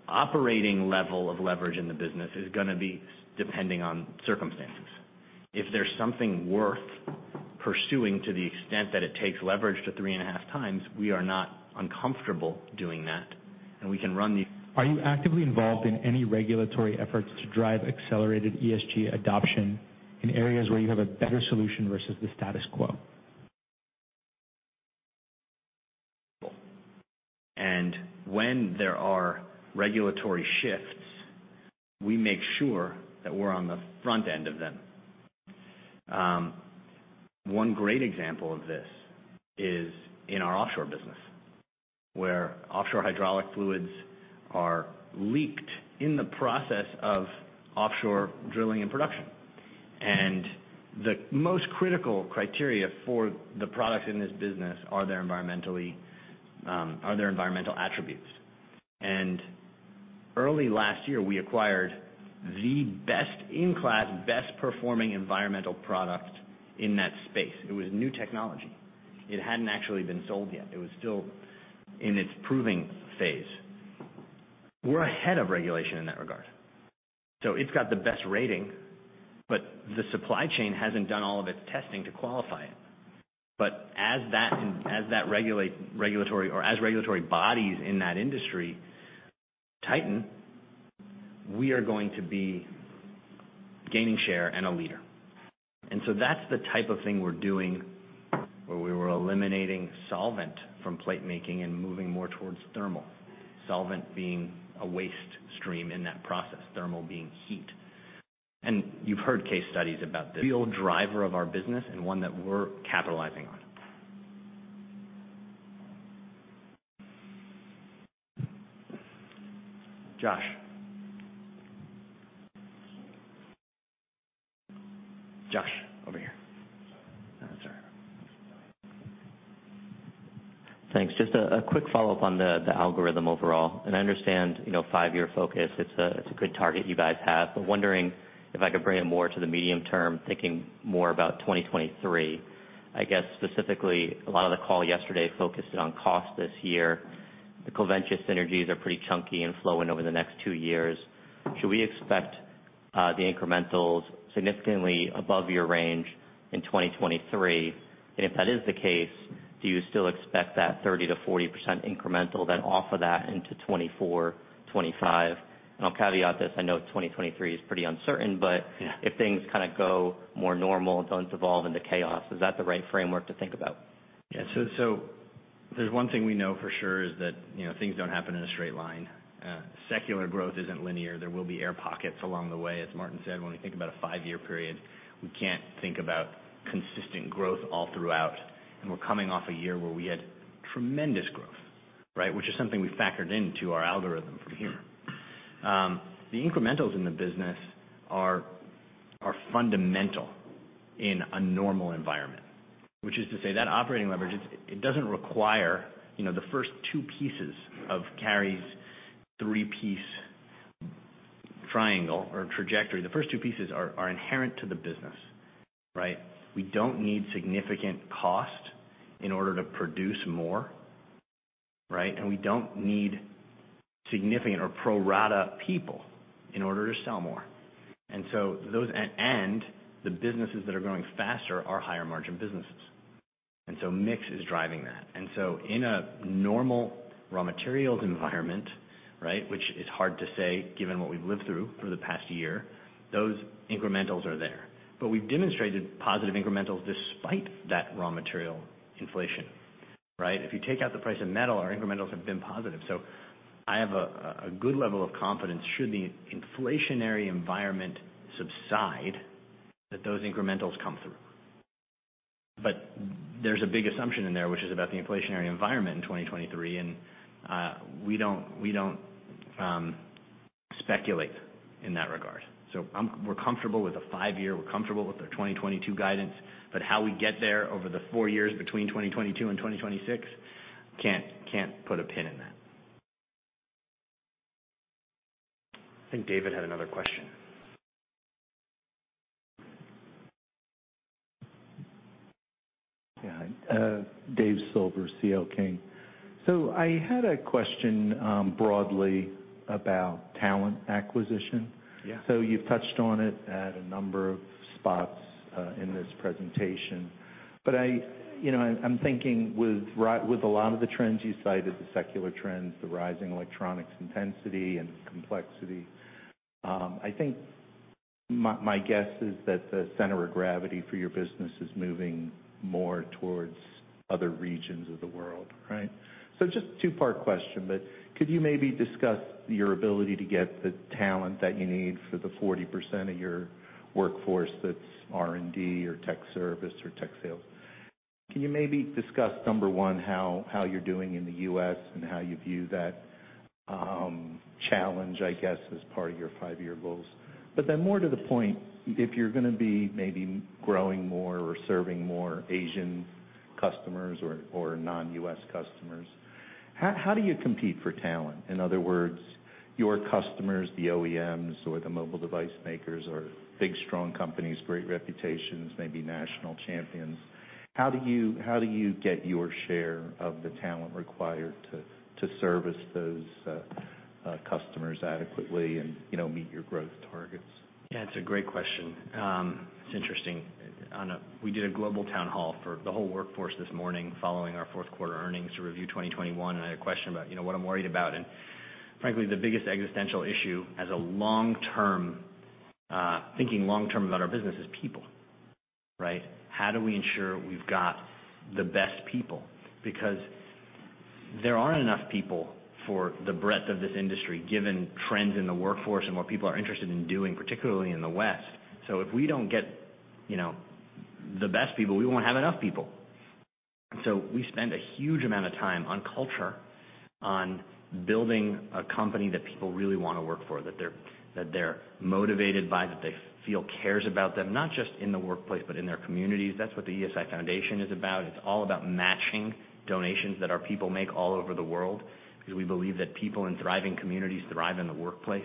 operating level of leverage in the business is gonna be depending on circumstances. If there's something worth pursuing to the extent that it takes leverage to 3.5x, we are not uncomfortable doing that, and we can run the- Are you actively involved in any regulatory efforts to drive accelerated ESG adoption in areas where you have a better solution versus the status quo? When there are regulatory shifts, we make sure that we're on the front end of them. One great example of this is in our offshore business, where offshore hydraulic fluids are leaked in the process of offshore drilling and production. The most critical criteria for the products in this business are their environmental attributes. Early last year, we acquired the best in class, best performing environmental product in that space. It was new technology. It hadn't actually been sold yet. It was still in its proving phase. We're ahead of regulation in that regard. It's got the best rating, but the supply chain hasn't done all of its testing to qualify it. As regulatory bodies in that industry tighten, we are going to be gaining share and a leader. That's the type of thing we're doing where we were eliminating solvent from plate making and moving more towards thermal. Solvent being a waste stream in that process, thermal being heat. You've heard case studies about this. Real driver of our business and one that we're capitalizing on. Josh. Josh, over here. No, that's all right. Thanks. Just a quick follow-up on the algorithm overall. I understand, you know, five-year focus, it's a good target you guys have. Wondering if I could bring it more to the medium term, thinking more about 2023. I guess specifically, a lot of the call yesterday focused on cost this year. The Coventya synergies are pretty chunky and flowing over the next two years. Should we expect the incrementals significantly above your range in 2023? If that is the case, do you still expect that 30%-40% incremental then off of that into 2024, 2025? I'll caveat this. I know 2023 is pretty uncertain, but Yeah. If things kinda go more normal, don't devolve into chaos, is that the right framework to think about? Yeah, there's one thing we know for sure is that, you know, things don't happen in a straight line. Secular growth isn't linear. There will be air pockets along the way. As Martin said, when we think about a five-year period, we can't think about consistent growth all throughout, and we're coming off a year where we had tremendous growth, right? Which is something we factored into our algorithm from here. The incrementals in the business are fundamental in a normal environment, which is to say that operating leverage, it doesn't require, you know, the first two pieces of Carey's three-piece triangle or trajectory. The first two pieces are inherent to the business, right? We don't need significant cost in order to produce more, right? And we don't need significant or pro rata people in order to sell more. And so those The businesses that are growing faster are higher margin businesses, and so mix is driving that. In a normal raw materials environment, right, which is hard to say given what we've lived through for the past year, those incrementals are there. We've demonstrated positive incrementals despite that raw material inflation, right? If you take out the price of metal, our incrementals have been positive. I have a good level of confidence should the inflationary environment subside, that those incrementals come through. There's a big assumption in there, which is about the inflationary environment in 2023, and we don't speculate in that regard. We're comfortable with the five year, we're comfortable with the 2022 guidance, but how we get there over the four years between 2022 and 2026, can't put a pin in that. I think Dave had another question. Yeah. Dave Silver, C.L. King. I had a question, broadly about talent acquisition. Yeah. You've touched on it at a number of spots in this presentation. I, you know, I'm thinking with a lot of the trends you cited, the secular trends, the rising electronics intensity and complexity. I think my guess is that the center of gravity for your business is moving more towards other regions of the world, right? Just two-part question. Could you maybe discuss your ability to get the talent that you need for the 40% of your workforce that's R&D or tech service or tech sales? Can you maybe discuss, number one, how you're doing in the U.S. and how you view that challenge, I guess, as part of your five-year goals? more to the point, if you're gonna be maybe growing more or serving more Asian customers or non-U.S. customers, how do you compete for talent? In other words, your customers, the OEMs or the mobile device makers or big, strong companies, great reputations, maybe national champions, how do you get your share of the talent required to service those customers adequately and, you know, meet your growth targets? Yeah, it's a great question. It's interesting. We did a global town hall for the whole workforce this morning following our fourth quarter earnings to review 2021. I had a question about, you know, what I'm worried about. Frankly, the biggest existential issue as a long term, thinking long term about our business is people, right? How do we ensure we've got the best people? Because there aren't enough people for the breadth of this industry, given trends in the workforce and what people are interested in doing, particularly in the West. If we don't get, you know, the best people, we won't have enough people. We spend a huge amount of time on culture, on building a company that people really wanna work for, that they're motivated by, that they feel cares about them, not just in the workplace but in their communities. That's what the ESI Foundation is about. It's all about matching donations that our people make all over the world, because we believe that people in thriving communities thrive in the workplace,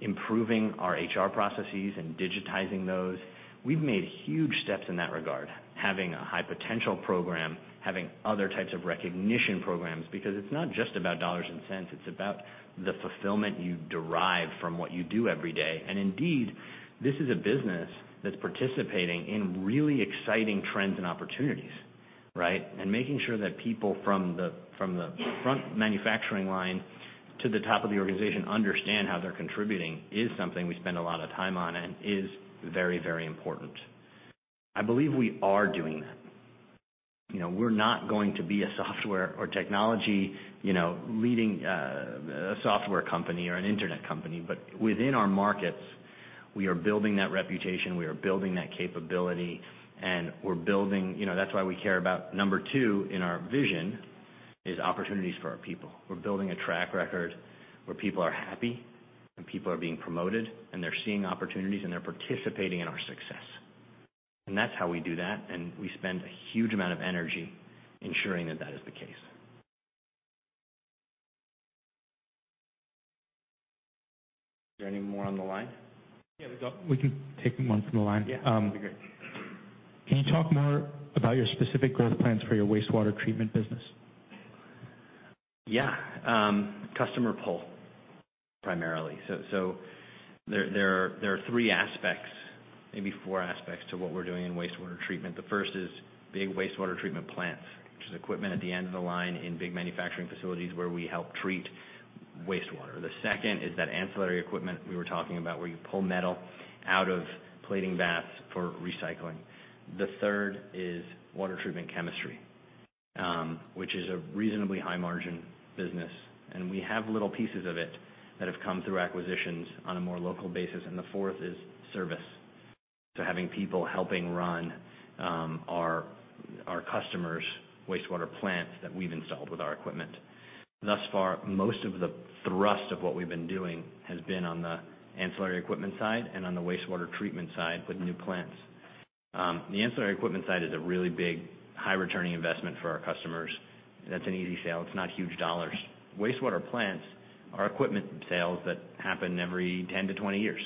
improving our HR processes and digitizing those. We've made huge steps in that regard, having a high potential program, having other types of recognition programs, because it's not just about dollars and cents, it's about the fulfillment you derive from what you do every day. Indeed, this is a business that's participating in really exciting trends and opportunities, right? Making sure that people from the front manufacturing line to the top of the organization understand how they're contributing is something we spend a lot of time on and is very, very important. I believe we are doing that. You know, we're not going to be a software or technology, you know, leading a software company or an internet company. But within our markets, we are building that reputation, we are building that capability, and we're building. You know, that's why we care about number two in our vision, is opportunities for our people. We're building a track record where people are happy and people are being promoted, and they're seeing opportunities and they're participating in our success. That's how we do that, and we spend a huge amount of energy ensuring that that is the case. Is there any more on the line? Yeah, we got. We can take one from the line. Yeah. That'd be great. Can you talk more about your specific growth plans for your wastewater treatment business? Yeah. Customer pull primarily. There are three aspects, maybe four aspects to what we're doing in wastewater treatment. The first is big wastewater treatment plants, which is equipment at the end of the line in big manufacturing facilities where we help treat wastewater. The second is that ancillary equipment we were talking about, where you pull metal out of plating baths for recycling. The third is water treatment chemistry, which is a reasonably high margin business, and we have little pieces of it that have come through acquisitions on a more local basis. The fourth is service. Having people helping run our customers' wastewater plants that we've installed with our equipment. Thus far, most of the thrust of what we've been doing has been on the ancillary equipment side and on the wastewater treatment side with new plants. The ancillary equipment side is a really big, high-returning investment for our customers. That's an easy sale. It's not huge dollars. Wastewater plants are equipment sales that happen every 10-20 years.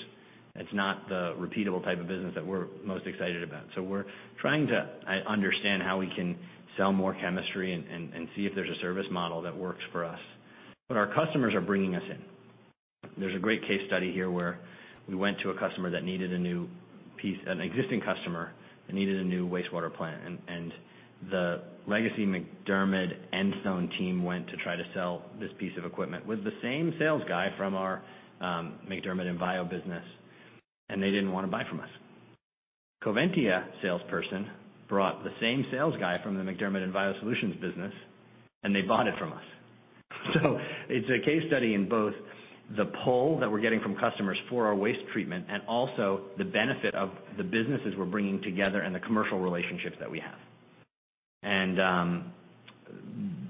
It's not the repeatable type of business that we're most excited about. We're trying to understand how we can sell more chemistry and see if there's a service model that works for us. Our customers are bringing us in. There's a great case study here where we went to a customer that needed a new wastewater plant. The legacy MacDermid Enthone team went to try to sell this piece of equipment. With the same sales guy from our MacDermid Envio business, and they didn't wanna buy from us. Coventya salesperson brought the same sales guy from the MacDermid Envio Solutions business, and they bought it from us. It's a case study in both the pull that we're getting from customers for our waste treatment, and also the benefit of the businesses we're bringing together and the commercial relationships that we have.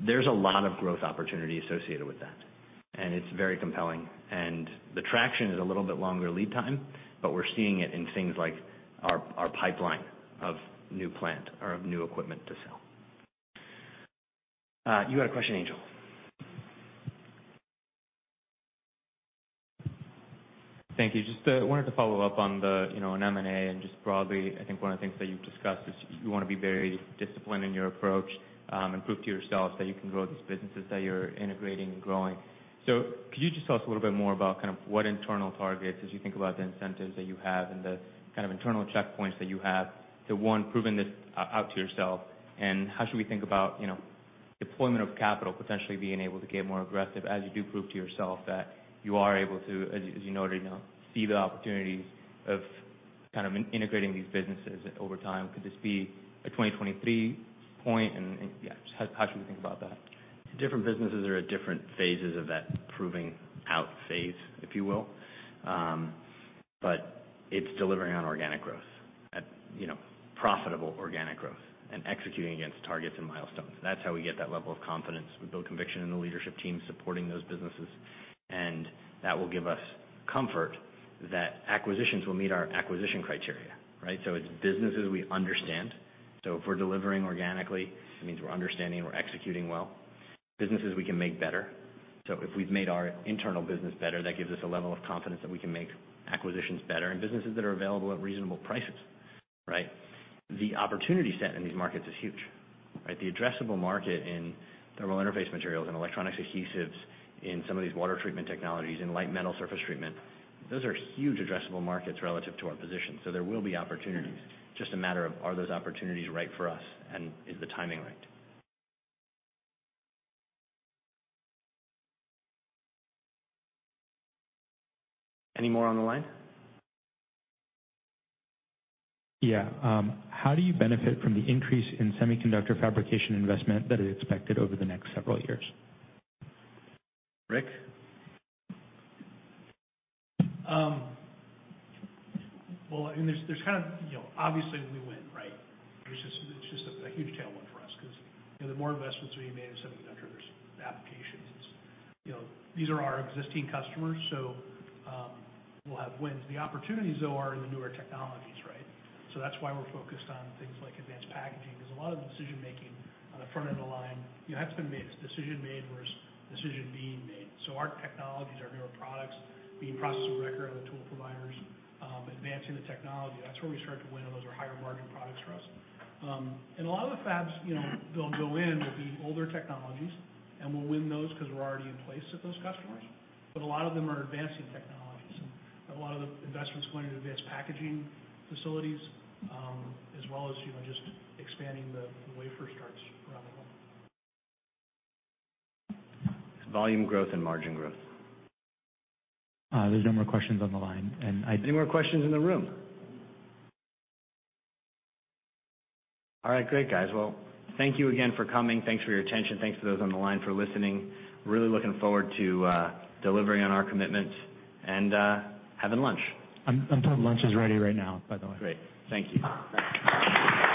There's a lot of growth opportunity associated with that, and it's very compelling. The traction is a little bit longer lead time, but we're seeing it in things like our pipeline of new plant or of new equipment to sell. You had a question, Angel. Thank you. Just wanted to follow up on the, you know, on M&A and just broadly, I think one of the things that you've discussed is you wanna be very disciplined in your approach, and prove to yourself that you can grow these businesses, that you're integrating and growing. Could you just tell us a little bit more about kind of what internal targets, as you think about the incentives that you have and the kind of internal checkpoints that you have to, one, proving this out to yourself? And how should we think about, you know, deployment of capital potentially being able to get more aggressive as you do prove to yourself that you are able to, as you noted, you know, see the opportunities of kind of integrating these businesses over time? Could this be a 2023 point? How should we think about that? Different businesses are at different phases of that proving out phase, if you will. It's delivering on organic growth at, you know, profitable organic growth and executing against targets and milestones. That's how we get that level of confidence. We build conviction in the leadership team supporting those businesses, and that will give us comfort that acquisitions will meet our acquisition criteria, right? It's businesses we understand. If we're delivering organically, it means we're understanding, we're executing well. Businesses we can make better. If we've made our internal business better, that gives us a level of confidence that we can make acquisitions better and businesses that are available at reasonable prices, right? The opportunity set in these markets is huge, right? The addressable market in thermal interface materials and electronics adhesives in some of these water treatment technologies and light metal surface treatment, those are huge addressable markets relative to our position. There will be opportunities. Just a matter of are those opportunities right for us, and is the timing right? Any more on the line? Yeah. How do you benefit from the increase in semiconductor fabrication investment that is expected over the next several years? Rick? There's kind of. You know, obviously we win, right? It's just a huge tailwind for us 'cause, you know, the more investments being made in semiconductor applications. It's, you know, these are our existing customers, so we'll have wins. The opportunities though are in the newer technologies, right? That's why we're focused on things like advanced packaging, 'cause a lot of the decision-making on the front end of the line, you know, that's been made. It's decision made or it's decision being made. So our technologies, our newer products being process of record on the tool providers, advancing the technology. That's where we start to win, and those are higher margin products for us. A lot of the fabs, you know, they'll go in, they'll be older technologies, and we'll win those 'cause we're already in place with those customers. But a lot of them are advancing technologies and a lot of the investments going into advanced packaging facilities, as well as, you know, just expanding the wafer starts around the globe. Volume growth and margin growth. There's no more questions on the line. Any more questions in the room? All right. Great, guys. Well, thank you again for coming. Thanks for your attention. Thanks to those on the line for listening. Really looking forward to delivering on our commitments and having lunch. I'm told lunch is ready right now, by the way. Great. Thank you.